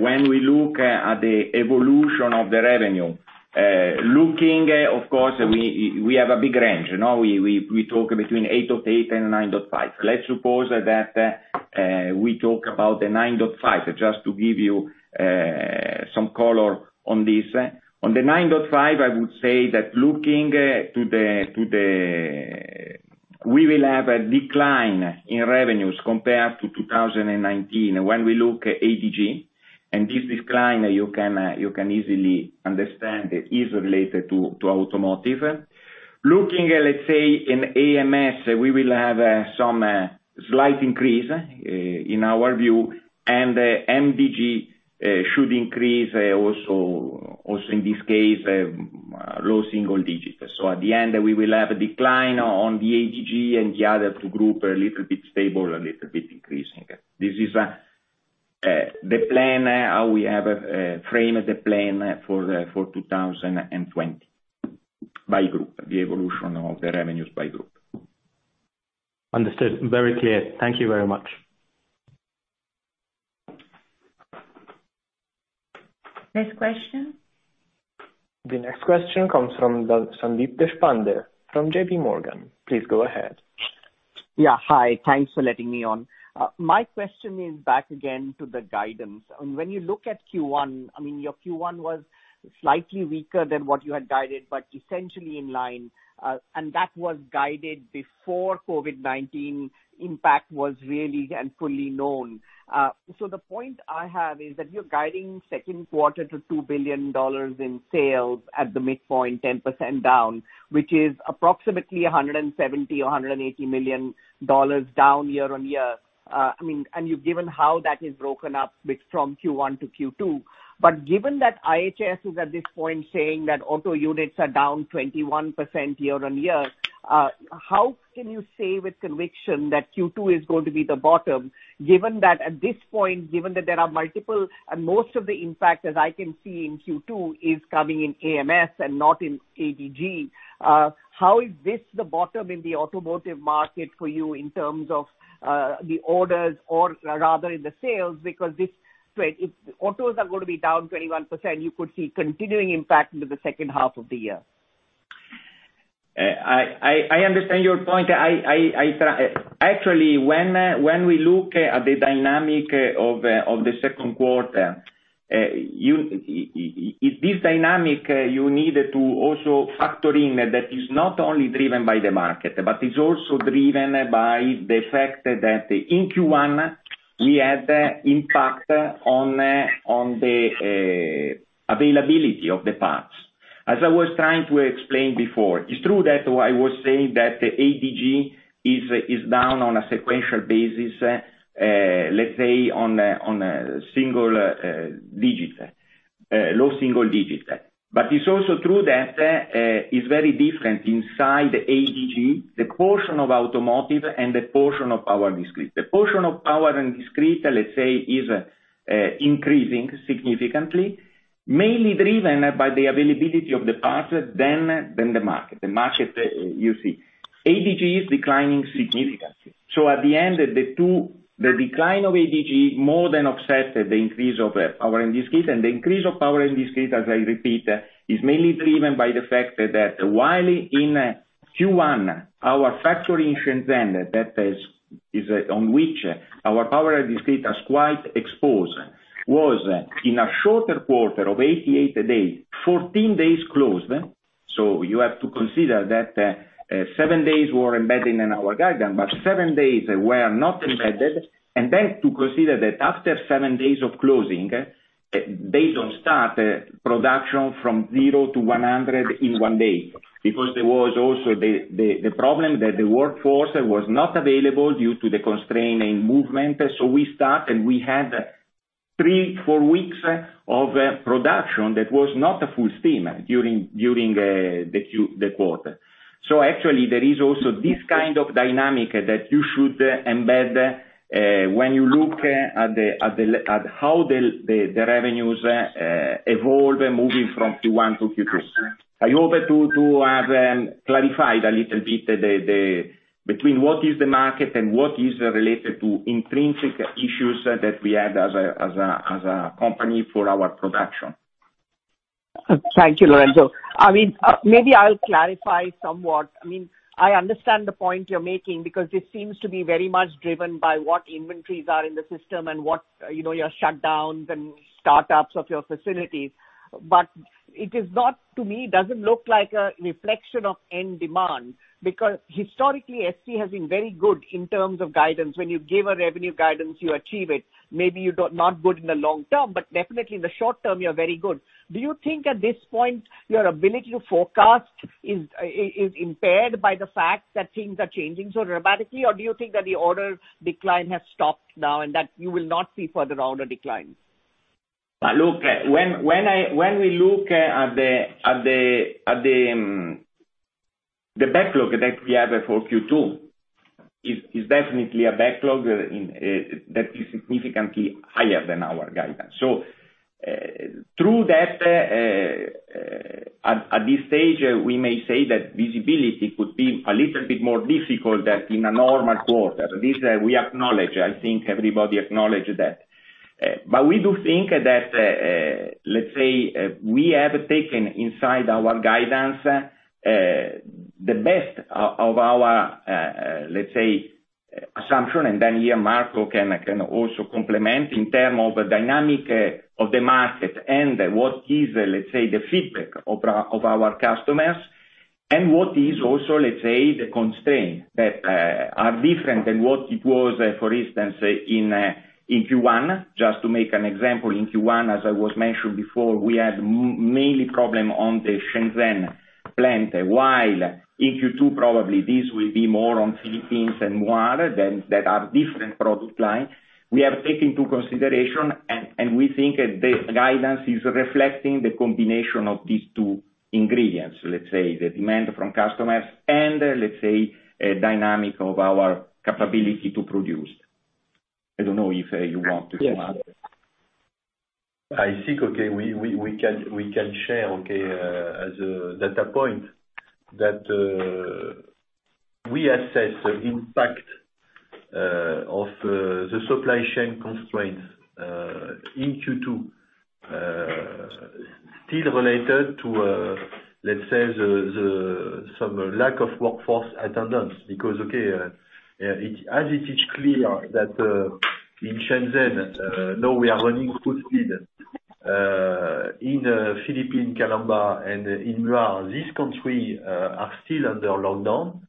when we look at the evolution of the revenue, looking, of course, we have a big range. We talk between $8.8 billion and $9.5 billion. Let's suppose that we talk about $9.5 billion, just to give you some color on this. On the $9.5 billion, I would say that we will have a decline in revenues compared to 2019 when we look at ADG. This decline, you can easily understand, is related to automotive. Looking, let's say, in AMS, we will have some slight increase, in our view, and MDG should increase also, in this case, low single digits. At the end, we will have a decline on the ADG and the other two group, a little bit stable, a little bit increasing. This is the plan, how we have framed the plan for 2020 by group, the evolution of the revenues by group. Understood. Very clear. Thank you very much. Next question. The next question comes from Sandeep Deshpande from JPMorgan. Please go ahead. Yeah. Hi. Thanks for letting me on. My question is back again to the guidance. When you look at Q1, your Q1 was slightly weaker than what you had guided, but essentially in line, and that was guided before COVID-19 impact was really and fully known. The point I have is that you're guiding second quarter to $2 billion in sales at the midpoint, 10% down, which is approximately $170 million or $180 million down year-on-year. You've given how that is broken up from Q1 to Q2. Given that IHS is at this point saying that auto units are down 21% year-on-year, how can you say with conviction that Q2 is going to be the bottom, given that at this point, given that there are multiple and most of the impact, as I can see in Q2, is coming in AMS and not in ADG? How is this the bottom in the automotive market for you in terms of the orders or rather in the sales? If autos are going to be down 21%, you could see continuing impact into the second half of the year. I understand your point. Actually, when we look at the dynamic of the second quarter, this dynamic you need to also factor in that is not only driven by the market, but it's also driven by the fact that in Q1, we had the impact on the availability of the parts. As I was trying to explain before, it's true that I was saying that the ADG is down on a sequential basis, let's say on a low single digits. But it's also true that it's very different inside ADG, the portion of automotive and the portion of power discrete. The portion of power and discrete, let's say, is increasing significantly, mainly driven by the availability of the parts than the market. The market, you see. ADG is declining significantly. At the end, the decline of ADG more than offset the increase of power and discrete, and the increase of power and discrete, as I repeat, is mainly driven by the fact that while in Q1, our factory in Shenzhen, on which our power discrete is quite exposed, was in a shorter quarter of 88 days, 14 days closed. You have to consider that seven days were embedded in our guidance, but seven days were not embedded. Then to consider that after seven days of closing, they don't start production from zero to 100 in one day. There was also the problem that the workforce was not available due to the constraining movement. We start, and we had three, four weeks of production that was not full steam during the quarter. Actually, there is also this kind of dynamic that you should embed, when you look at how the revenues evolve moving from Q1 to Q2. I hope to have clarified a little bit between what is the market and what is related to intrinsic issues that we had as a company for our production. Thank you, Lorenzo. Maybe I'll clarify somewhat. I understand the point you're making because this seems to be very much driven by what inventories are in the system and what your shutdowns and startups of your facilities. To me, it doesn't look like a reflection of end demand, because historically, ST has been very good in terms of guidance. When you give a revenue guidance, you achieve it. Maybe you're not good in the long term, but definitely in the short term, you're very good. Do you think at this point, your ability to forecast is impaired by the fact that things are changing so dramatically? Or do you think that the order decline has stopped now, and that you will not see further order declines? Look, when we look at the backlog that we have for Q2, is definitely a backlog that is significantly higher than our guidance. Through that, at this stage, we may say that visibility could be a little bit more difficult than in a normal quarter. This we acknowledge. I think everybody acknowledge that. We do think that, let's say, we have taken inside our guidance, the best of our, let's say, assumption, and here Marco can also complement in terms of the dynamic of the market and what is, let's say, the feedback of our customers. What is also, let's say, the constraint that are different than what it was, for instance, in Q1, just to make an example. In Q1, as I was mentioning before, we had mainly problem on the Shenzhen plant, while in Q2, probably this will be more on Philippines and Muar that are different product lines. We have taken into consideration, and we think the guidance is reflecting the combination of these two ingredients, let's say the demand from customers and let's say a dynamic of our capability to produce. I don't know if you want to come up. Yes. I think we can share as a data point that we assess the impact of the supply chain constraints in Q2, still related to, let's say, some lack of workforce attendance, because as it is clear that in Shenzhen, now we are running full speed. In Philippines, Calamba, and in Muar, these country are still under lockdown,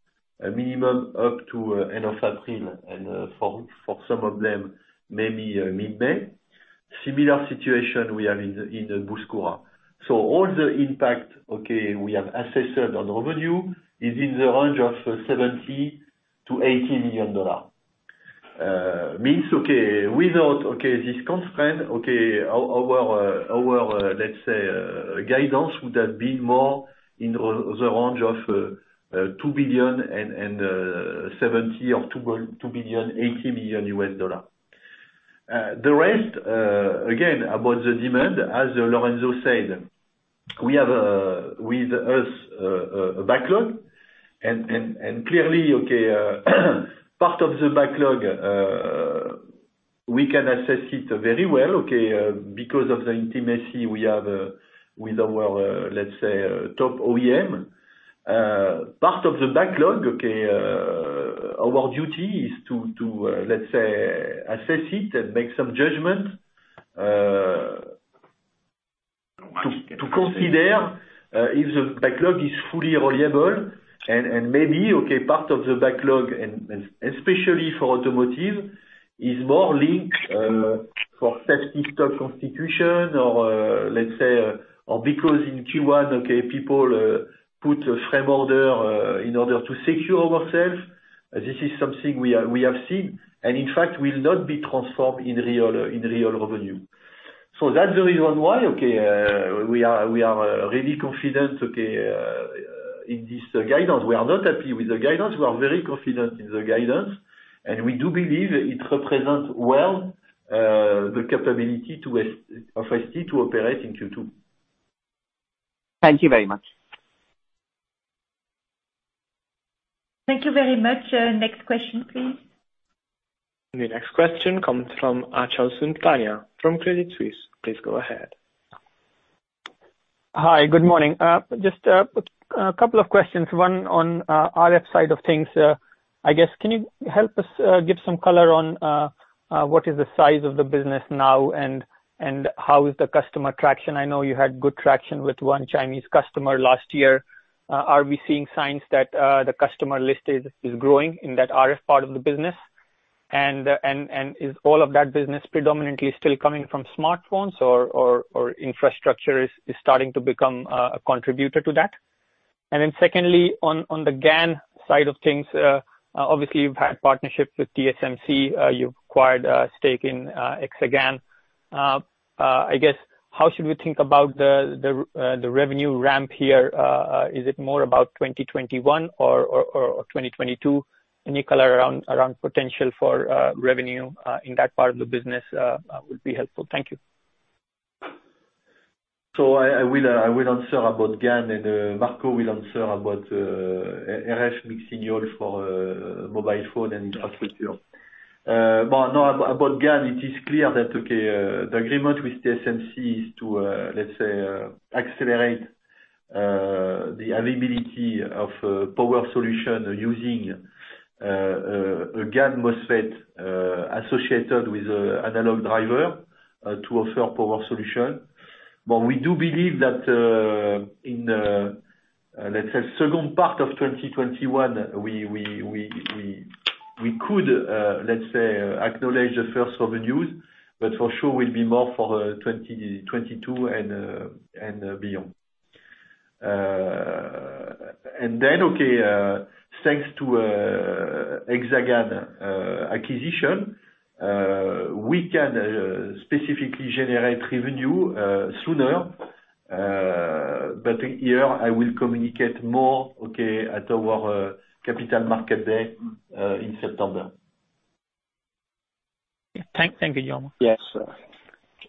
a minimum up to end of April, and for some of them, maybe mid-May. Similar situation we have in the Bouskoura. All the impact we have assessed on revenue is in the range of $70 million-$80 million. Means, without this constraint, our, let's say, guidance would have been more in the range of $2 billion 70 million or $2 billion 80 million. The rest, again, about the demand, as Lorenzo said, we have with us a backlog. Clearly, okay, part of the backlog, we can assess it very well, okay, because of the intimacy we have with our, let's say, top OEM. Part of the backlog, okay, our duty is to, let's say, assess it and make some judgment, to consider if the backlog is fully reliable and maybe, okay, part of the backlog and especially for automotive, is more linked for safety stock constitution or let's say, or because in Q1, okay, people put a frame order in order to secure ourselves. This is something we have seen. In fact, will not be transformed in real revenue. That's the reason why, okay, we are really confident, okay, in this guidance. We are not happy with the guidance. We are very confident in the guidance, and we do believe it represents well, the capability of ST to operate in Q2. Thank you very much. Thank you very much. Next question, please. The next question comes from Achal Sultania from Credit Suisse. Please go ahead. Hi. Good morning. Just a couple of questions. One on RF side of things, I guess can you help us give some color on what is the size of the business now and how is the customer traction? I know you had good traction with one Chinese customer last year. Are we seeing signs that the customer listed is growing in that RF part of the business? Is all of that business predominantly still coming from smartphones or infrastructure is starting to become a contributor to that? Secondly, on the GaN side of things, obviously you've had partnerships with TSMC, you've acquired a stake in Exagan. I guess how should we think about the revenue ramp here? Is it more about 2021 or 2022? Any color around potential for revenue, in that part of the business, will be helpful. Thank you. I will answer about GaN and Marco will answer about RF mixing signal for mobile phone and infrastructure. About GaN it is clear that, okay, the agreement with TSMC is to, let's say, accelerate the availability of power solution using a GaN MOSFET associated with analog driver, to offer power solution. We do believe that, in the, let's say, second part of 2021, we could, let's say, acknowledge the first revenues, but for sure will be more for 2022 and beyond. Okay, thanks to Exagan acquisition, we can specifically generate revenue sooner. Here I will communicate more, okay, at our capital market day, in September. Yeah. Thank you, [Jean]. Yes.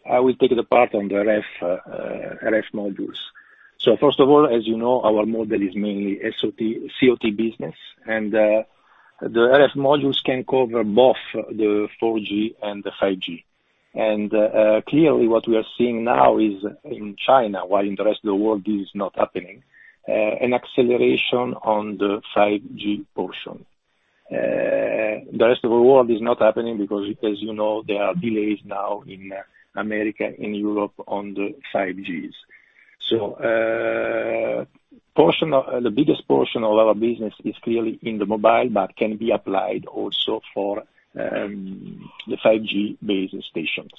I will take the part on the RF modules. First of all, as you know, our model is mainly COT business, and the RF modules can cover both the 4G and the 5G. Clearly what we are seeing now is in China, while in the rest of the world this is not happening, an acceleration on the 5G portion. The rest of the world is not happening because, as you know, there are delays now in America, in Europe on the 5Gs. The biggest portion of our business is clearly in the mobile, but can be applied also for the 5G base stations.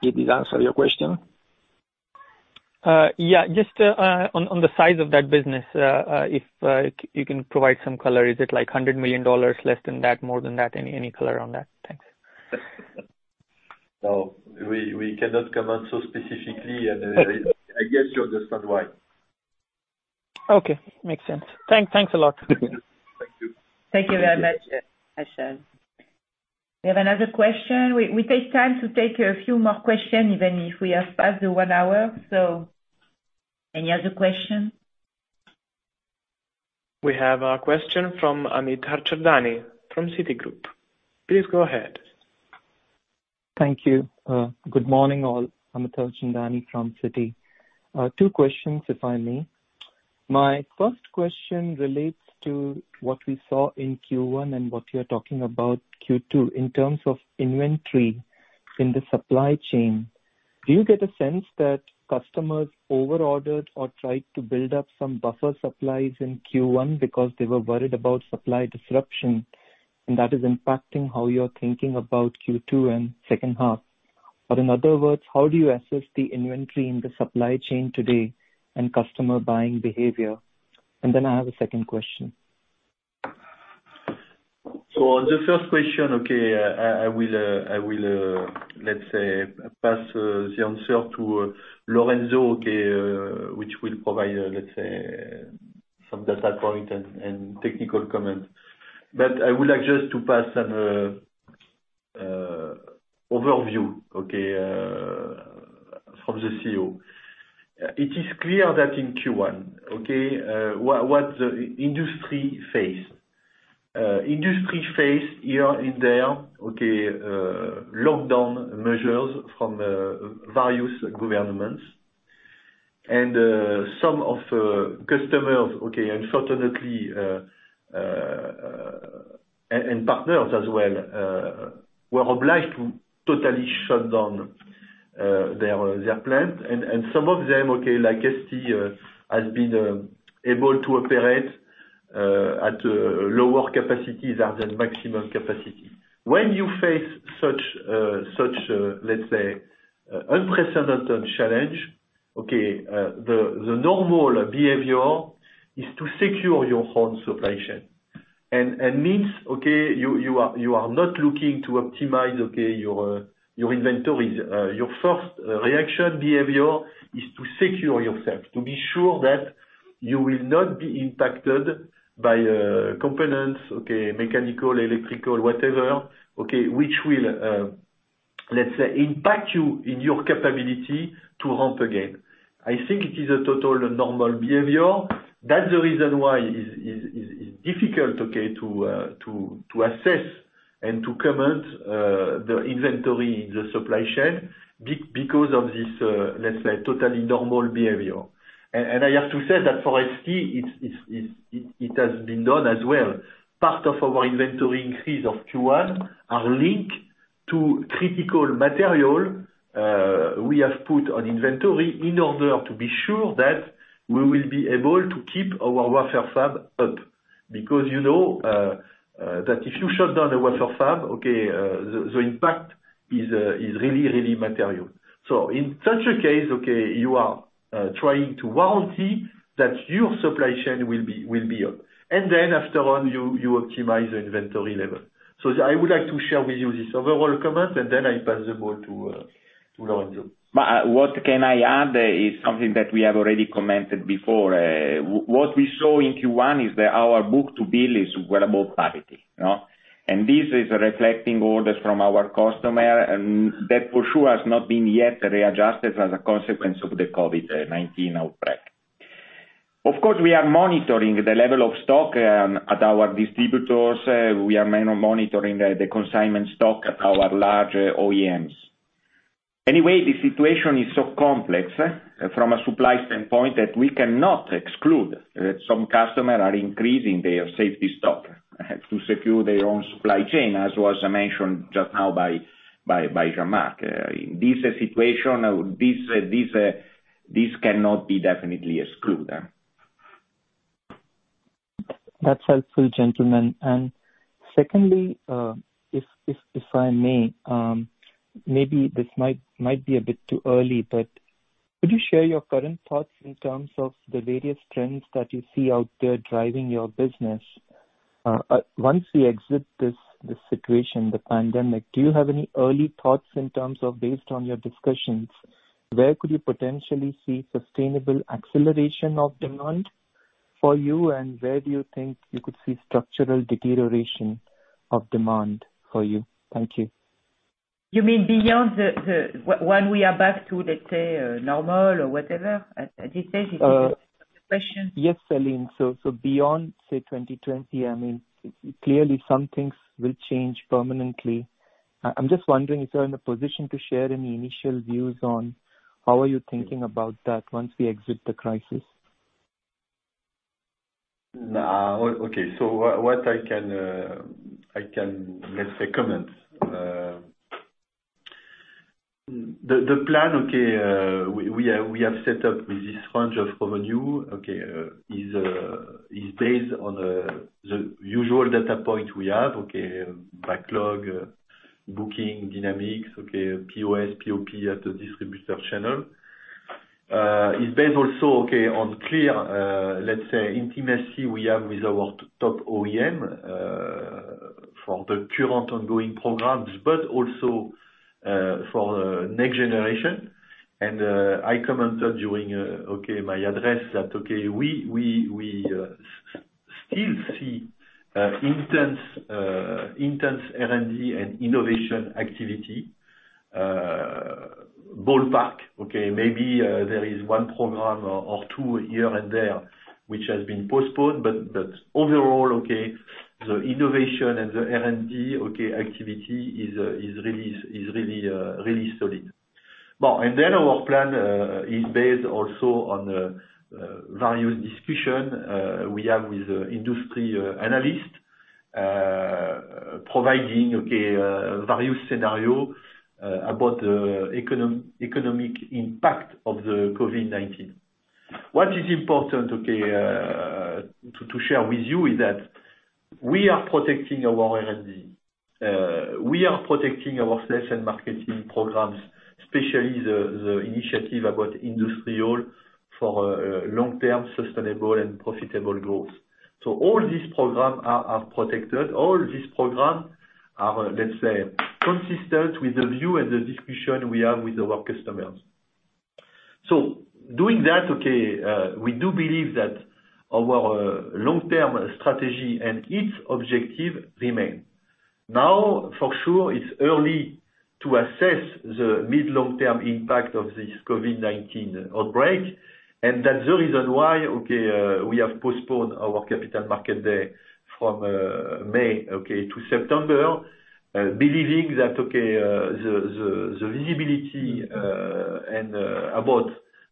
Did it answer your question? Yeah. Just on the size of that business, if you can provide some color. Is it like $100 million, less than that, more than that? Any color on that? Thanks. No, we cannot comment so specifically, I guess you understand why. Okay. Makes sense. Thanks a lot. Thank you. Thank you very much, Achal Sultania. We have another question. We take time to take a few more questions, even if we have passed the one hour. Any other question? We have a question from Amit Harchandani from Citigroup. Please go ahead. Thank you. Good morning, all. Amit Harchandani from Citi. Two questions, if I may. My first question relates to what we saw in Q1 and what you're talking about Q2 in terms of inventory in the supply chain. Do you get a sense that customers over-ordered or tried to build up some buffer supplies in Q1 because they were worried about supply disruption? That is impacting how you're thinking about Q2 and second half? In other words, how do you assess the inventory in the supply chain today and customer buying behavior? I have a second question. On the first question, okay, I will, let's say, pass the answer to Lorenzo, okay, which will provide, let's say, some data point and technical comment. I would like just to pass some overview from the CEO. It is clear that in Q1, what the industry faced. Industry faced here and there, lockdown measures from various governments. Some of customers, unfortunately, and partners as well, were obliged to totally shut down their plant. Some of them, like ST, has been able to operate at lower capacities rather than maximum capacity. When you face such, let's say, unprecedented challenge, the normal behavior is to secure your own supply chain. Means, you are not looking to optimize your inventories. Your first reaction behavior is to secure yourself, to be sure that you will not be impacted by components, mechanical, electrical, whatever, which will, let's say, impact you in your capability to ramp again. I think it is a total normal behavior. That's the reason why it's difficult to assess and to comment the inventory in the supply chain, because of this, let's say, totally normal behavior. I have to say that for ST, it has been done as well. Part of our inventory increase of Q1 are linked to critical material we have put on inventory in order to be sure that we will be able to keep our wafer fab up. Because you know that if you shut down a wafer fab, the impact is really material. In such a case, you are trying to warranty that your supply chain will be up. After you optimize the inventory level. I would like to share with you this overall comment, and then I pass the ball to Lorenzo. What can I add is something that we have already commented before. What we saw in Q1 is that our book-to-bill is well above parity. This is reflecting orders from our customer, and that for sure has not been yet readjusted as a consequence of the COVID-19 outbreak. Of course, we are monitoring the level of stock at our distributors. We are monitoring the consignment stock at our large OEMs. The situation is so complex from a supply standpoint that we cannot exclude that some customer are increasing their safety stock to secure their own supply chain, as was mentioned just now by Jean-Marc. In this situation, this cannot be definitely excluded. That's helpful, gentlemen. Secondly, if I may, maybe this might be a bit too early, but could you share your current thoughts in terms of the various trends that you see out there driving your business? Once we exit this situation, the pandemic, do you have any early thoughts in terms of based on your discussions, where could you potentially see sustainable acceleration of demand for you, and where do you think you could see structural deterioration of demand for you? Thank you. You mean beyond when we are back to, let's say, normal or whatever? I just said, if this is the question. Yes, Céline. Beyond, say, 2020, clearly some things will change permanently. I'm just wondering if you're in a position to share any initial views on how are you thinking about that once we exit the crisis? Okay. What I can comment. The plan we have set up with this range of revenue is based on the usual data point we have, backlog, booking dynamics, POS, POP at the distributor channel. It is based also on clear, let's say, intimacy we have with our top OEM, for the current ongoing programs, but also for next generation. I commented during my address that we still see intense R&D and innovation activity. Ballpark, maybe there is one program or two here and there which has been postponed. Overall, the innovation and the R&D activity is really solid. Our plan is based also on the various discussion we have with industry analysts, providing various scenario about the economic impact of the COVID-19. What is important to share with you is that we are protecting our R&D. We are protecting our sales and marketing programs, especially the initiative about industrial for long-term sustainable and profitable growth. All these program are protected. All these program are, let's say, consistent with the view and the discussion we have with our customers. Doing that, we do believe that our long-term strategy and its objective remain. For sure, it's early to assess the mid, long-term impact of this COVID-19 outbreak, and that's the reason why we have postponed our capital market day from May to September. Believing that the visibility and about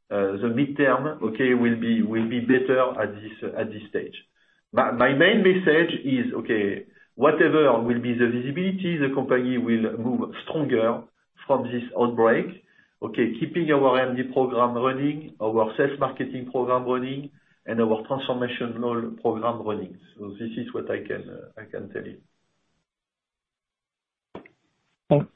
the midterm will be better at this stage. My main message is whatever will be the visibility, the company will move stronger from this outbreak, keeping our R&D program running, our sales marketing program running, and our transformation role program running. This is what I can tell you.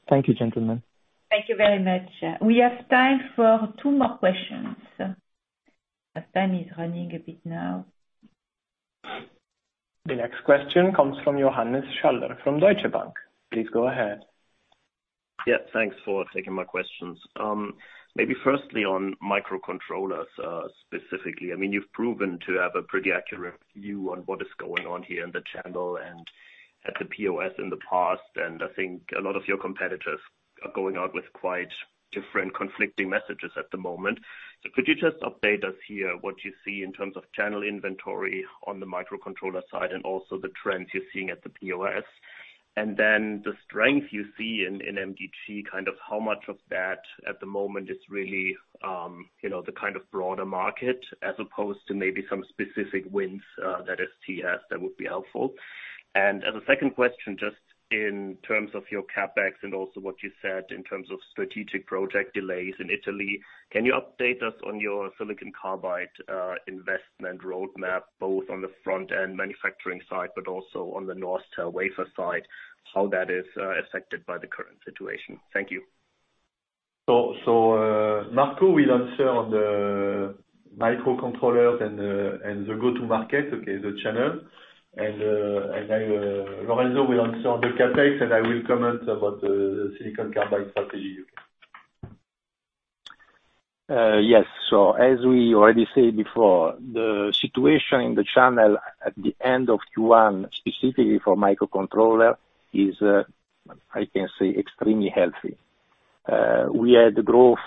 Thank you, gentlemen. Thank you very much. We have time for two more questions. Time is running a bit now. The next question comes from Johannes Schaller from Deutsche Bank. Please go ahead. Yeah, thanks for taking my questions. Maybe firstly, on microcontrollers, specifically. You've proven to have a pretty accurate view on what is going on here in the channel and at the POS in the past, and I think a lot of your competitors are going out with quite different conflicting messages at the moment. Could you just update us here what you see in terms of channel inventory on the microcontroller side and also the trends you're seeing at the POS? Then the strength you see in MDG, kind of how much of that at the moment is really the kind of broader market as opposed to maybe some specific wins that ST has that would be helpful. As a second question, just in terms of your CapEx and also what you said in terms of strategic project delays in Italy, can you update us on your silicon carbide investment roadmap, both on the front-end manufacturing side, but also on the Norstel wafer site, how that is affected by the current situation? Thank you. Marco will answer on the microcontrollers and the go-to-market, okay, the channel. Lorenzo will answer on the CapEx, and I will comment about the silicon carbide strategy. Yes. As we already said before, the situation in the channel at the end of Q1, specifically for microcontroller, is, I can say, extremely healthy. We had growth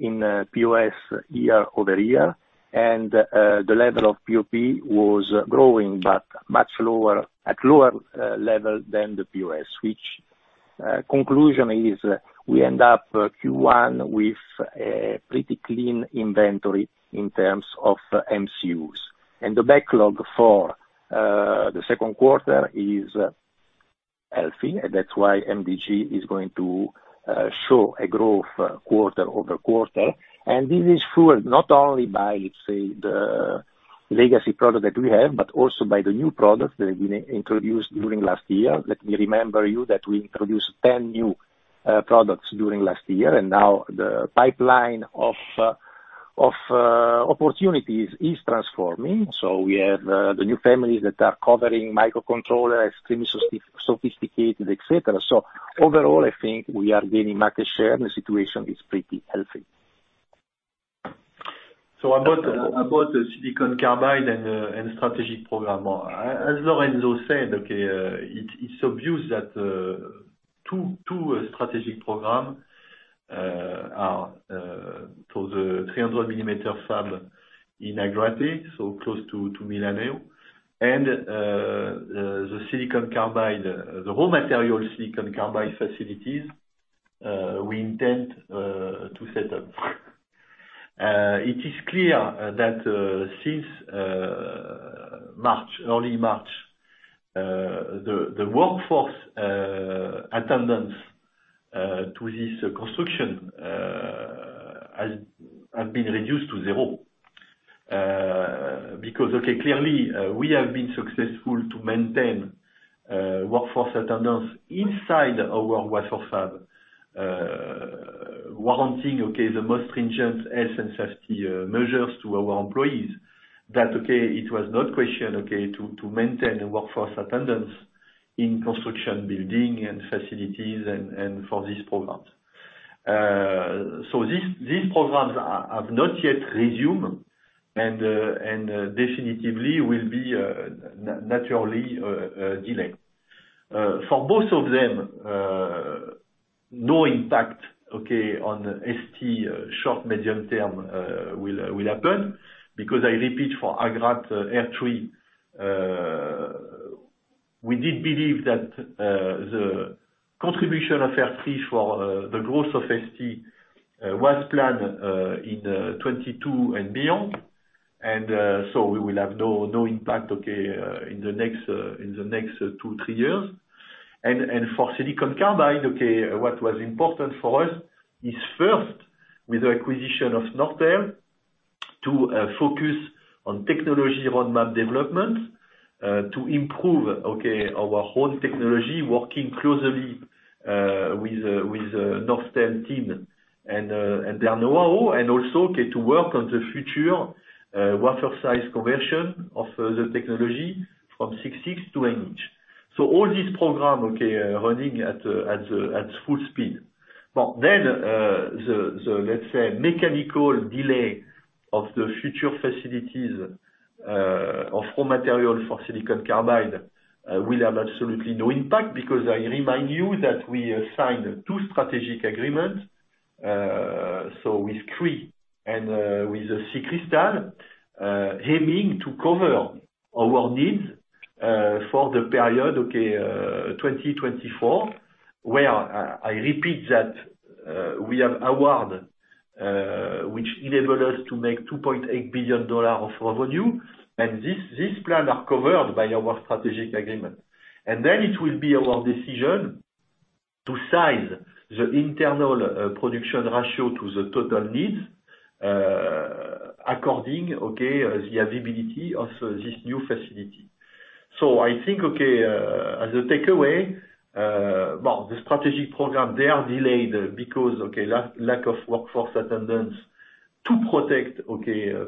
in POS year-over-year, and the level of POP was growing but at lower level than the POS. We end up Q1 with a pretty clean inventory in terms of MCUs. The backlog for the second quarter is healthy, that's why MDG is going to show a growth quarter-over-quarter. This is fueled not only by, say, the legacy product that we have, but also by the new product that we introduced during last year. Let me remind you that we introduced 10 new products during last year. Now the pipeline of opportunities is transforming. We have the new families that are covering microcontroller, extremely sophisticated, et cetera. Overall, I think we are gaining market share and the situation is pretty healthy. About the silicon carbide and strategic program. As Lorenzo said, it's obvious that two strategic program are for the 300-mm fab in Agrate, so close to Milan, and the raw material silicon carbide facilities we intend to set up. It is clear that since early March, the workforce attendance to this construction has been reduced to zero. Clearly, we have been successful to maintain workforce attendance inside our wafer fab, warranting the most stringent health and safety measures to our employees. That it was not questioned to maintain a workforce attendance in construction, building, and facilities and for these programs. These programs have not yet resumed and definitively will be naturally delayed. For both of them, no impact, okay, on ST short, medium-term will happen because I repeat for Agrate R3, we did believe that the contribution of R3 for the growth of ST was planned in 2022 and beyond. We will have no impact, okay, in the next two, three years. For silicon carbide, okay, what was important for us is first, with the acquisition of Norstel, to focus on technology roadmap development, to improve, okay, our whole technology, working closely with Norstel team and their know-how, also, okay, to work on the future wafer size conversion of the technology from 6 to 8 in. All these programs are running at full speed. The, let's say, mechanical delay of the future facilities of raw material for silicon carbide will have absolutely no impact because I remind you that we signed two strategic agreements. With Cree and with SiCrystal, aiming to cover our needs for the period, 2024, where I repeat that we have award, which enable us to make $2.8 billion of revenue. This plan are covered by our strategic agreement. It will be our decision to size the internal production ratio to the total needs, according, the availability of this new facility. I think, as a takeaway, the strategic program, they are delayed because, lack of workforce attendance to protect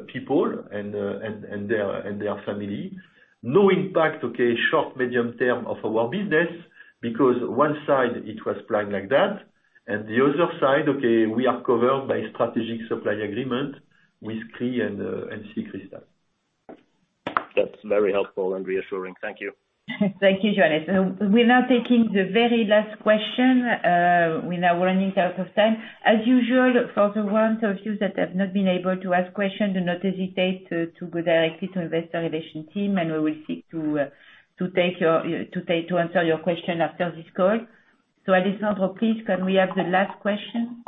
people and their family. No impact short, medium term of our business, because one side it was planned like that, and the other side, okay, we are covered by strategic supply agreement with Cree and SiCrystal. That's very helpful and reassuring. Thank you. Thank you, Johannes. We're now taking the very last question. We are now running out of time. As usual, for the ones of you that have not been able to ask question, do not hesitate to go directly to investor relation team, and we will seek to answer your question after this call. Alessandro, please, can we have the last question?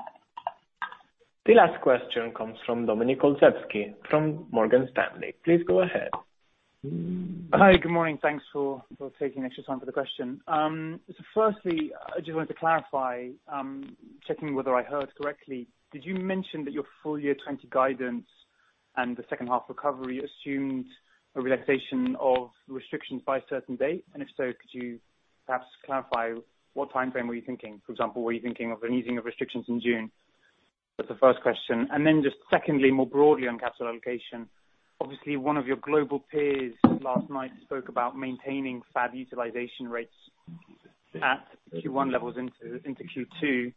The last question comes from Dominik Olszewski, from Morgan Stanley. Please go ahead. Hi. Good morning. Thanks for taking extra time for the question. Firstly, I just wanted to clarify, checking whether I heard correctly. Did you mention that your full year 2020 guidance and the second half recovery assumed a relaxation of restrictions by a certain date? If so, could you perhaps clarify what timeframe were you thinking? For example, were you thinking of an easing of restrictions in June? That's the first question. Just secondly, more broadly on capital allocation. Obviously, one of your global peers last night spoke about maintaining fab utilization rates at Q1 levels into Q2,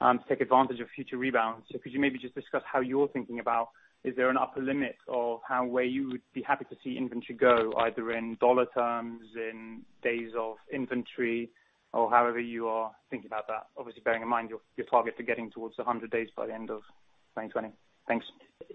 to take advantage of future rebounds. Could you maybe just discuss how you're thinking about, is there an upper limit of how, where you would be happy to see inventory go, either in dollar terms, in days of inventory or however you are thinking about that, obviously, bearing in mind your target to getting towards 100 days by the end of 2020. Thanks.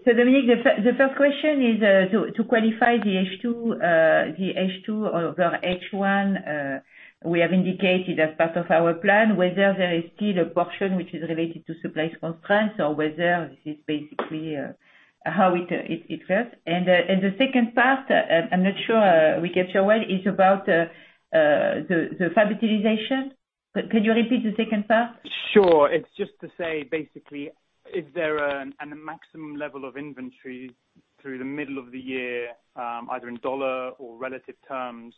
Dominik, the first question is to qualify the H2 over H1, we have indicated as part of our plan whether there is still a portion which is related to supply constraints or whether this is basically how it works. The second part, I'm not sure we capture well, is about the fab utilization. Could you repeat the second part? Sure. It's just to say basically, is there a maximum level of inventory through the middle of the year, either in dollar or relative terms,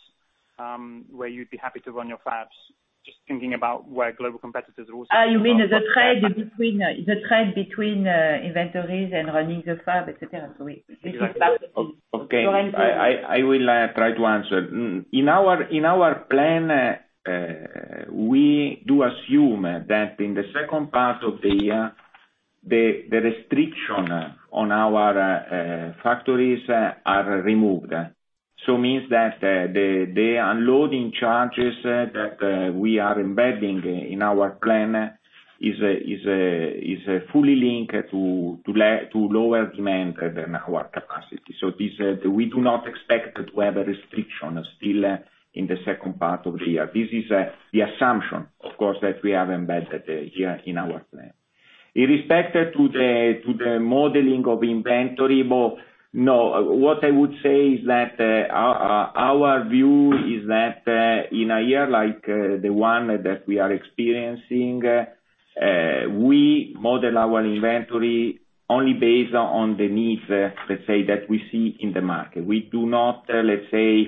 where you'd be happy to run your fabs? Just thinking about where global competitors are also. You mean the trade between inventories and running the fab, et cetera. This is part of it. Okay. Go ahead, please. I will try to answer. In our plan, we do assume that in the second part of the year, the restriction on our factories are removed. Means that the underloading charges that we are embedding in our plan is fully linked to lower demand than our capacity. We do not expect to have a restriction still in the second part of the year. This is the assumption, of course, that we have embedded here in our plan. In respect to the modeling of inventory, no. What I would say is that our view is that, in a year like the one that we are experiencing, we model our inventory only based on the needs, let's say, that we see in the market. We do not, let's say,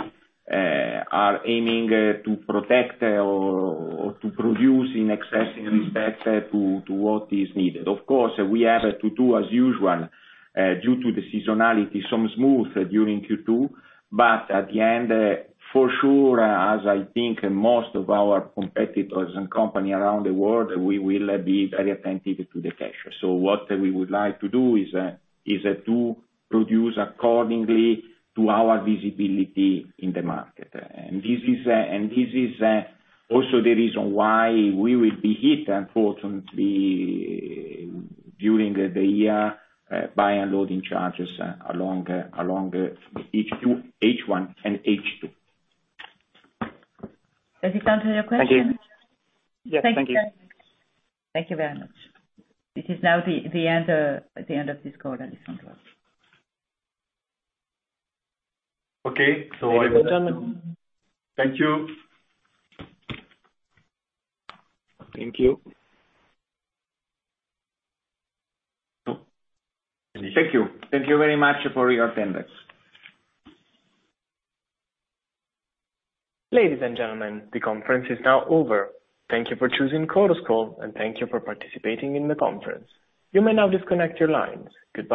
are aiming to protect or to produce in excess, in respect to what is needed. We have to do as usual, due to the seasonality, some smooth during Q2, at the end, for sure, as I think most of our competitors and company around the world, we will be very attentive to the cash. What we would like to do is to produce accordingly to our visibility in the market. This is also the reason why we will be hit, unfortunately, during the year, by underloading charges along H1 and H2. Does it answer your question? Thank you. Thank you. Thank you very much. It is now the end of this call, Alessandro. Okay. We're done now. Thank you. Thank you. Thank you. Thank you very much for your attendance. Ladies and gentlemen, the conference is now over. Thank you for choosing Chorus Call and thank you for participating in the conference. You may now disconnect your lines. Good bye.